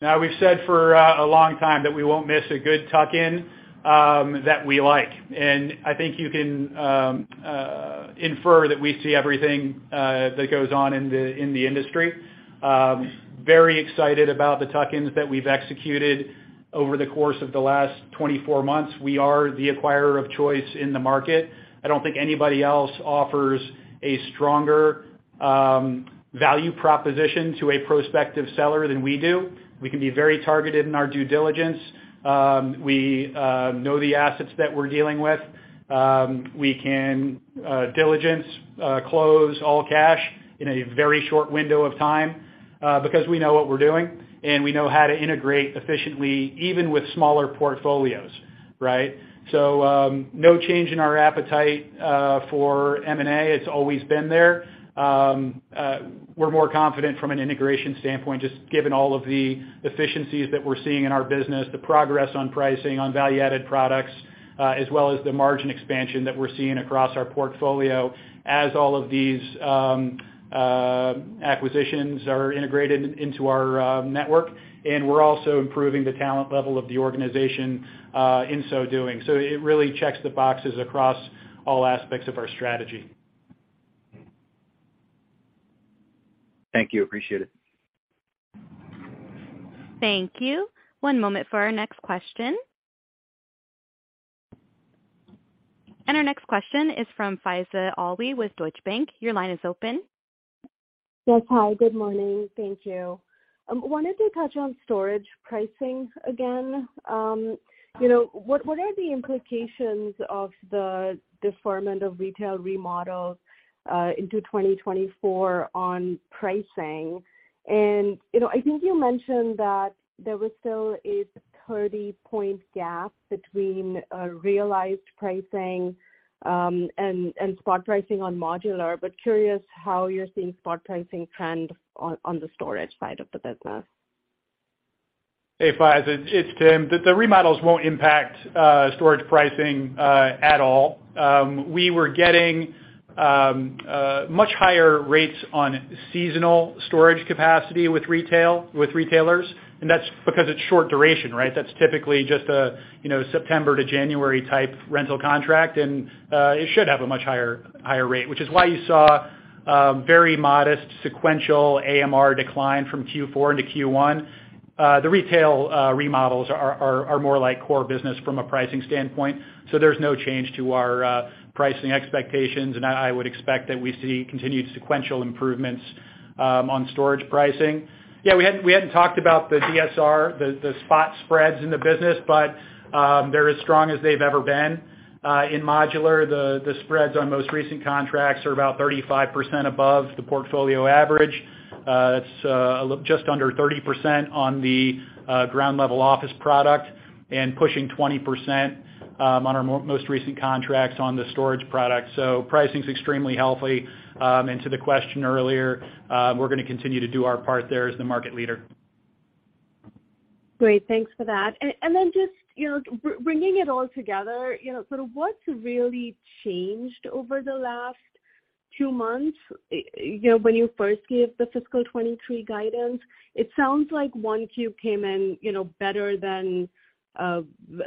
Now, we've said for a long time that we won't miss a good tuck-in that we like. I think you can infer that we see everything that goes on in the industry. Very excited about the tuck-ins that we've executed over the course of the last 24 months. We are the acquirer of choice in the market. I don't think anybody else offers a stronger value proposition to a prospective seller than we do. We can be very targeted in our due diligence. We know the assets that we're dealing with. We can diligence close all cash in a very short window of time because we know what we're doing, and we know how to integrate efficiently, even with smaller portfolios, right? No change in our appetite for M&A. It's always been there. We're more confident from an integration standpoint, just given all of the efficiencies that we're seeing in our business, the progress on pricing on value-added products, as well as the margin expansion that we're seeing across our portfolio as all of these acquisitions are integrated into our network. We're also improving the talent level of the organization in so doing. It really checks the boxes across all aspects of our strategy. Thank you. Appreciate it. Thank you. One moment for our next question. Our next question is from Faiza Alwy with Deutsche Bank. Your line is open. Yes. Hi, good morning. Thank you. Wanted to touch on storage pricing again. You know, what are the implications of the deferment of retail remodels into 2024 on pricing? You know, I think you mentioned that there was still a 30-point gap between realized pricing and spot pricing on modular, but curious how you're seeing spot pricing trend on the storage side of the business. Hey, Faiza, it's Tim. The remodels won't impact storage pricing at all. We were getting much higher rates on seasonal storage capacity with retail, with retailers. That's because it's short duration, right? That's typically just a, you know, September to January type rental contract. It should have a much higher rate, which is why you saw a very modest sequential AMR decline from Q4 into Q1. The retail remodels are more like core business from a pricing standpoint. There's no change to our pricing expectations. I would expect that we see continued sequential improvements on storage pricing. We hadn't talked about the DSR, the spot spreads in the business. They're as strong as they've ever been. In modular, the spreads on most recent contracts are about 35% above the portfolio average. It's just under 30% on the ground level office product and pushing 20% on our most recent contracts on the storage product. Pricing is extremely healthy. To the question earlier, we're gonna continue to do our part there as the market leader. Great. Thanks for that. Then just, you know, bringing it all together, you know, sort of what's really changed over the last two months, you know, when you first gave the fiscal 2023 guidance? It sounds like Q1 came in, you know, better than,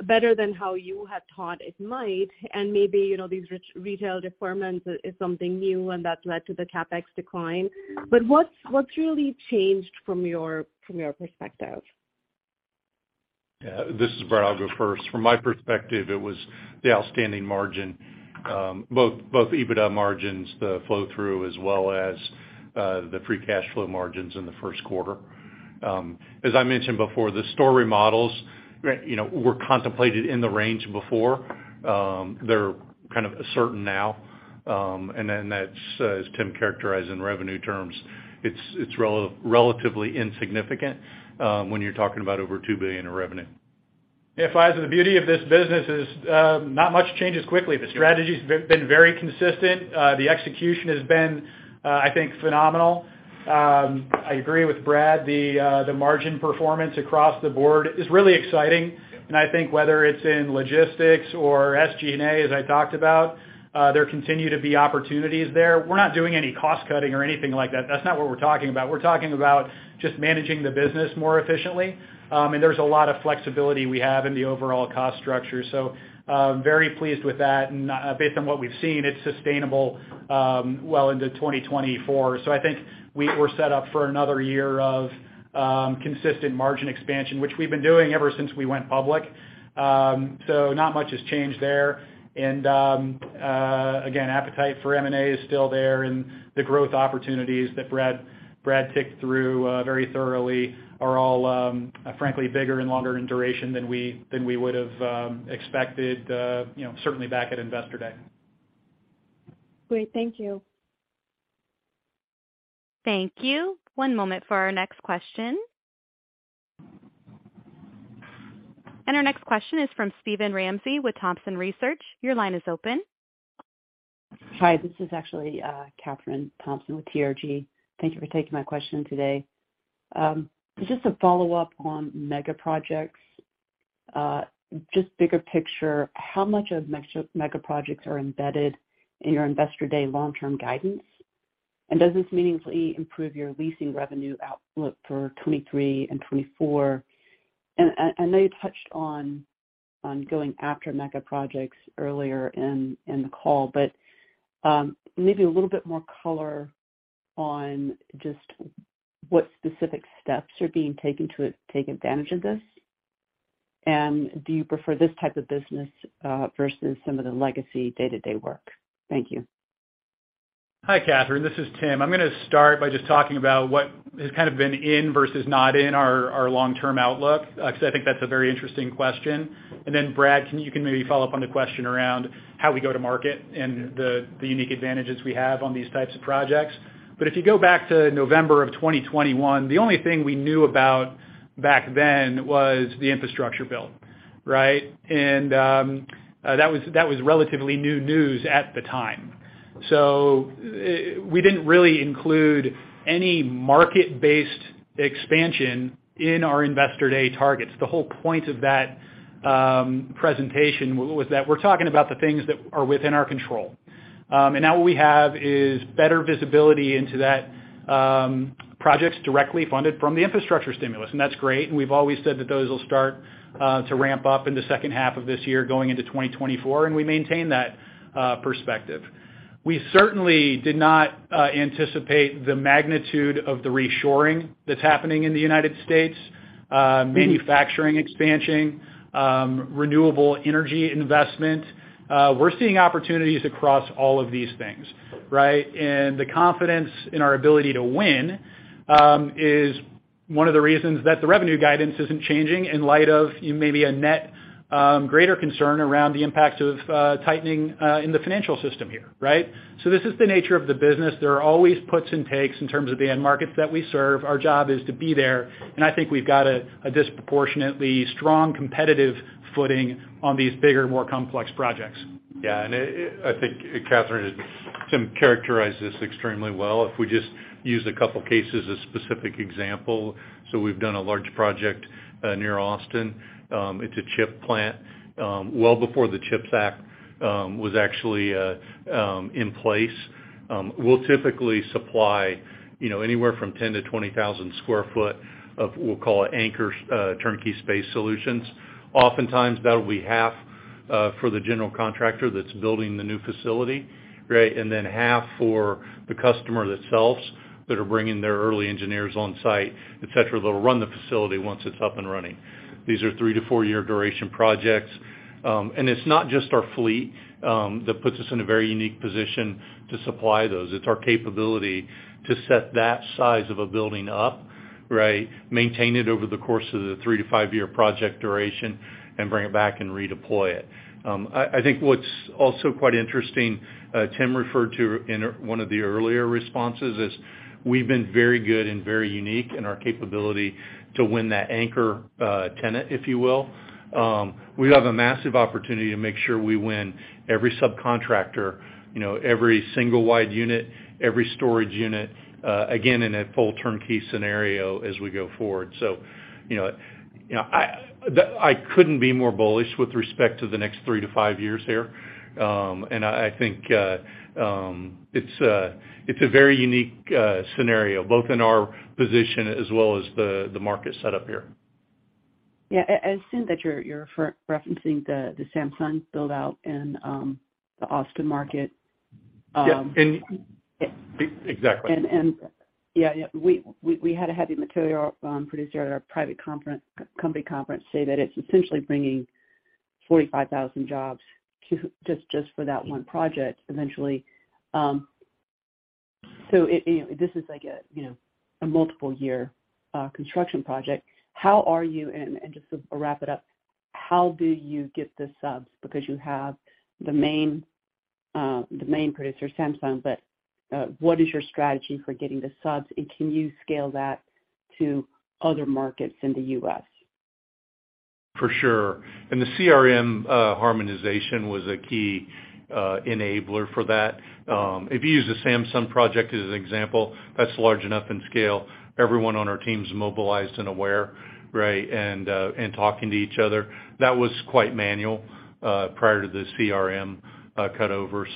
better than how you had thought it might. Maybe, you know, these retail deferments is something new and that's led to the CapEx decline. What's really changed from your, from your perspective? This is Brad. I'll go first. From my perspective, it was the outstanding margin, both EBITDA margins, the flow-through, as well as, the free cash flow margins in the first quarter. As I mentioned before, the store remodels, you know, were contemplated in the range before. They're kind of certain now, and then that's, as Tim characterized in revenue terms, it's relatively insignificant, when you're talking about over $2 billion in revenue. Yeah. Faiza, the beauty of this business is, not much changes quickly. The strategy's been very consistent. The execution has been, I think phenomenal. I agree with Brad, the margin performance across the board is really exciting. I think whether it's in logistics or SG&A, as I talked about, there continue to be opportunities there. We're not doing any cost cutting or anything like that. That's not what we're talking about. We're talking about just managing the business more efficiently. There's a lot of flexibility we have in the overall cost structure. Very pleased with that. Based on what we've seen, it's sustainable, well into 2024. I think we're set up for another year of consistent margin expansion, which we've been doing ever since we went public. Not much has changed there. Again, appetite for M&A is still there, and the growth opportunities that Brad ticked through, very thoroughly are all, frankly, bigger and longer in duration than we would've expected, you know, certainly back at Investor Day. Great. Thank you. Thank you. One moment for our next question. Our next question is from Steven Ramsey with Thompson Research Group. Your line is open. Hi, this is actually Kathryn Thompson with TRG. Thank you for taking my question today. Just a follow-up on mega projects. Just bigger picture, how much of mega projects are embedded in your Investor Day long-term guidance? Does this meaningfully improve your leasing revenue outlook for 2023 and 2024? I know you touched on going after mega projects earlier in the call, but maybe a little bit more color on just what specific steps are being taken to take advantage of this. Do you prefer this type of business versus some of the legacy day-to-day work? Thank you. Hi, Kathryn. This is Tim. I'm gonna start by just talking about what has kind of been in versus not in our long-term outlook, 'cause I think that's a very interesting question. Brad, you can maybe follow up on the question around how we go to market and the unique advantages we have on these types of projects. If you go back to November of 2021, the only thing we knew about back then was the infrastructure build, right? That was relatively new news at the time. We didn't really include any market-based expansion in our Investor Day targets. The whole point of that presentation was that we're talking about the things that are within our control. Now what we have is better visibility into that, projects directly funded from the infrastructure stimulus, that's great, we've always said that those will start to ramp up in the second half of this year, going into 2024, we maintain that perspective. We certainly did not anticipate the magnitude of the reshoring that's happening in the United States, manufacturing expansion, renewable energy investment. We're seeing opportunities across all of these things, right? The confidence in our ability to win is one of the reasons that the revenue guidance isn't changing in light of maybe a net greater concern around the impacts of tightening in the financial system here, right? This is the nature of the business. There are always puts and takes in terms of the end markets that we serve. Our job is to be there, I think we've got a disproportionately strong competitive footing on these bigger, more complex projects. I think Kathryn, Tim characterized this extremely well. If we just use a couple cases as specific example. We've done a large project near Austin, it's a chip plant well before the CHIPS Act was actually in place. We'll typically supply, you know, anywhere from 10 to 20,000 sq ft of, we'll call it anchor, turnkey space solutions. Oftentimes, that'll be half for the general contractor that's building the new facility, right? Half for the customer themselves that are bringing their early engineers on site, et cetera, that'll run the facility once it's up and running. These are three to four year duration projects. It's not just our fleet that puts us in a very unique position to supply those. It's our capability to set that size of a building up, right? Maintain it over the course of the three to five year project duration and bring it back and redeploy it. I think what's also quite interesting, Tim referred to in one of the earlier responses, is we've been very good and very unique in our capability to win that anchor, tenant, if you will. We have a massive opportunity to make sure we win every subcontractor, you know, every single wide unit, every storage unit, again, in a full turnkey scenario as we go forward. I couldn't be more bullish with respect to the next three to five years here. I think it's a very unique scenario, both in our position as well as the market setup here. Yeah. I assume that you're re-referencing the Samsung build-out in the Austin market. Yeah. Exactly. Yeah, we had a heavy material producer at our private company conference say that it's essentially bringing 45,000 jobs just for that one project eventually. So it, you know, this is like a, you know, a multiple year, construction project. How are you? Just to wrap it up, how do you get the subs? Because you have the main, the main producer, Samsung. What is your strategy for getting the subs, and can you scale that to other markets in the U.S.? For sure. The CRM harmonization was a key enabler for that. If you use the Samsung project as an example, that's large enough in scale. Everyone on our team's mobilized and aware, right? Talking to each other, that was quite manual prior to the CRM cut over.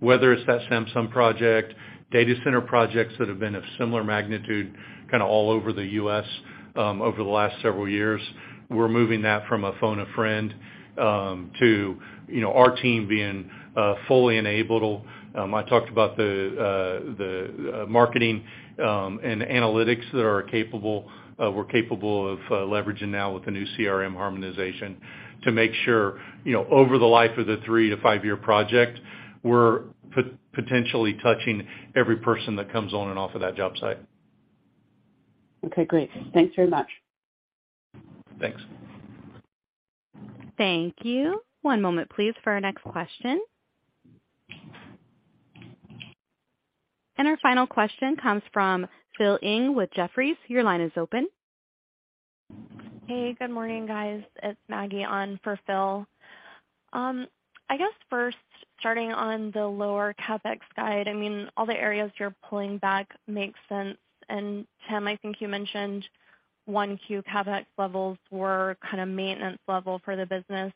Whether it's that Samsung project, data center projects that have been of similar magnitude kinda all over the U.S., over the last several years, we're moving that from a phone a friend, to, you know, our team being fully enabled. I talked about the marketing and analytics that we're capable of leveraging now with the new CRM harmonization to make sure, you know, over the life of the three to five-year project, we're potentially touching every person that comes on and off of that job site. Okay, great. Thanks very much. Thanks. Thank you. One moment please for our next question. Our final question comes from Philip Ng with Jefferies. Your line is open. Hey, good morning, guys. It's Maggie on for Phil. I guess first starting on the lower CapEx guide, I mean, all the areas you're pulling back makes sense. Tim, I think you mentioned 1Q CapEx levels were kinda maintenance level for the business.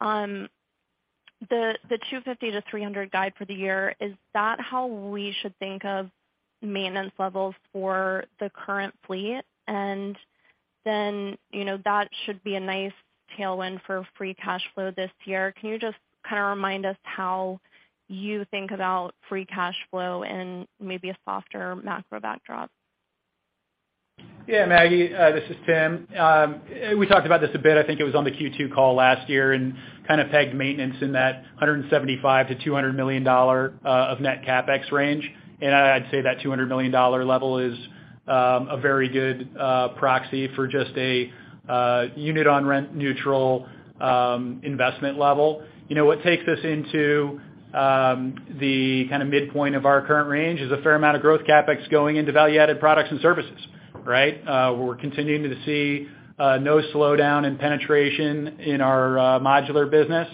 The $250-$300 guide for the year, is that how we should think of maintenance levels for the current fleet? You know, that should be a nice tailwind for free cash flow this year. Can you just kinda remind us how you think about free cash flow and maybe a softer macro backdrop? Yeah, Maggie, this is Tim. We talked about this a bit, I think it was on the Q2 call last year and kinda pegged maintenance in that $175 million-$200 million of net CapEx range. I'd say that $200 million level is a very good proxy for just a unit on rent neutral investment level. You know what takes us into the kinda midpoint of our current range is a fair amount of growth CapEx going into value-added products and services, right? We're continuing to see no slowdown in penetration in our modular business.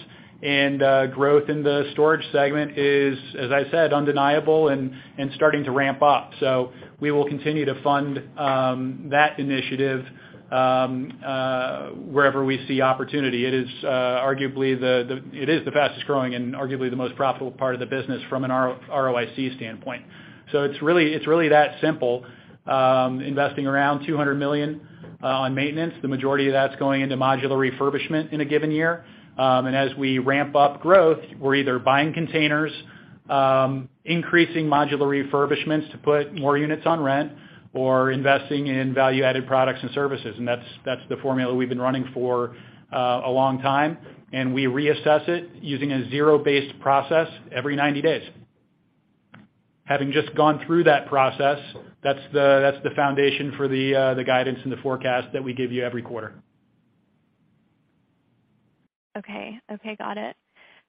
Growth in the storage segment is, as I said, undeniable and starting to ramp up. We will continue to fund that initiative wherever we see opportunity. It is arguably the fastest growing and arguably the most profitable part of the business from an ROIC standpoint. It's really that simple. Investing around $200 million on maintenance, the majority of that's going into modular refurbishment in a given year. As we ramp up growth, we're either buying containers, increasing modular refurbishments to put more units on rent or investing in value-added products and services. That's the formula we've been running for a long time, and we reassess it using a zero-based process every 90 days. Having just gone through that process, that's the foundation for the guidance and the forecast that we give you every quarter. Okay. Okay, got it.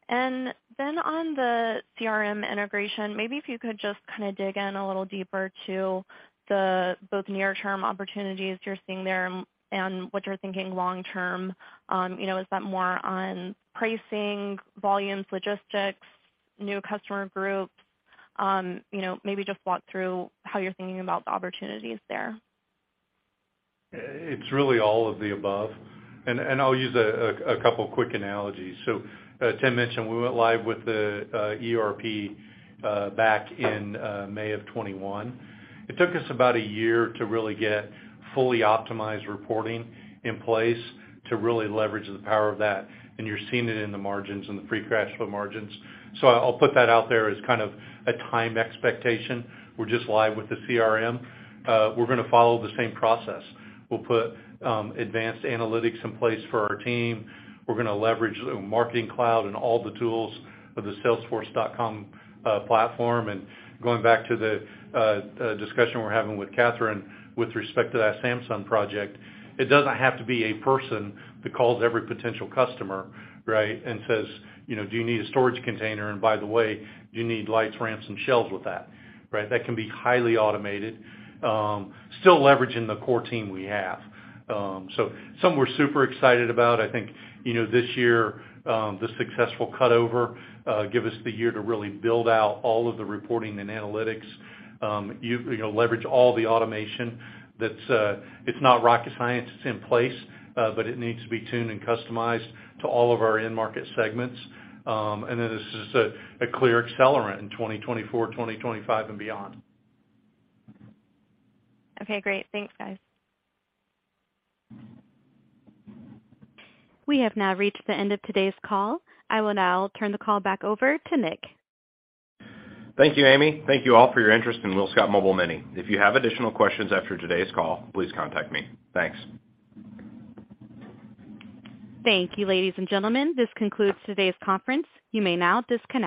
On the CRM integration, maybe if you could just kinda dig in a little deeper to the both near term opportunities you're seeing there and what you're thinking long term? You know, is that more on pricing, volumes, logistics, new customer groups? You know, maybe just walk through how you're thinking about the opportunities there. It's really all of the above, and I'll use a couple quick analogies. Tim mentioned we went live with the ERP back in May of 2021. It took us about a year to really get fully optimized reporting in place to really leverage the power of that, and you're seeing it in the margins and the free cash flow margins. I'll put that out there as kind of a time expectation. We're just live with the CRM. We're gonna follow the same process. We'll put advanced analytics in place for our team. We're gonna leverage Marketing Cloud and all the tools of the Salesforce platform. Going back to the discussion we're having with Kathryn with respect to that Samsung project, it doesn't have to be a person that calls every potential customer, right? Says, "You know, do you need a storage container? And by the way, do you need lights, ramps, and shelves with that?" Right? That can be highly automated, still leveraging the core team we have. Something we're super excited about. I think, you know, this year, the successful cut over, give us the year to really build out all of the reporting and analytics, leverage all the automation. That's, it's not rocket science, it's in place, but it needs to be tuned and customized to all of our end market segments. This is a clear accelerant in 2024, 2025 and beyond. Okay, great. Thanks, guys. We have now reached the end of today's call. I will now turn the call back over to Nick. Thank you, Amy. Thank you all for your interest in WillScot Mobile Mini. If you have additional questions after today's call, please contact me. Thanks. Thank you, ladies and gentlemen. This concludes today's conference. You may now disconnect.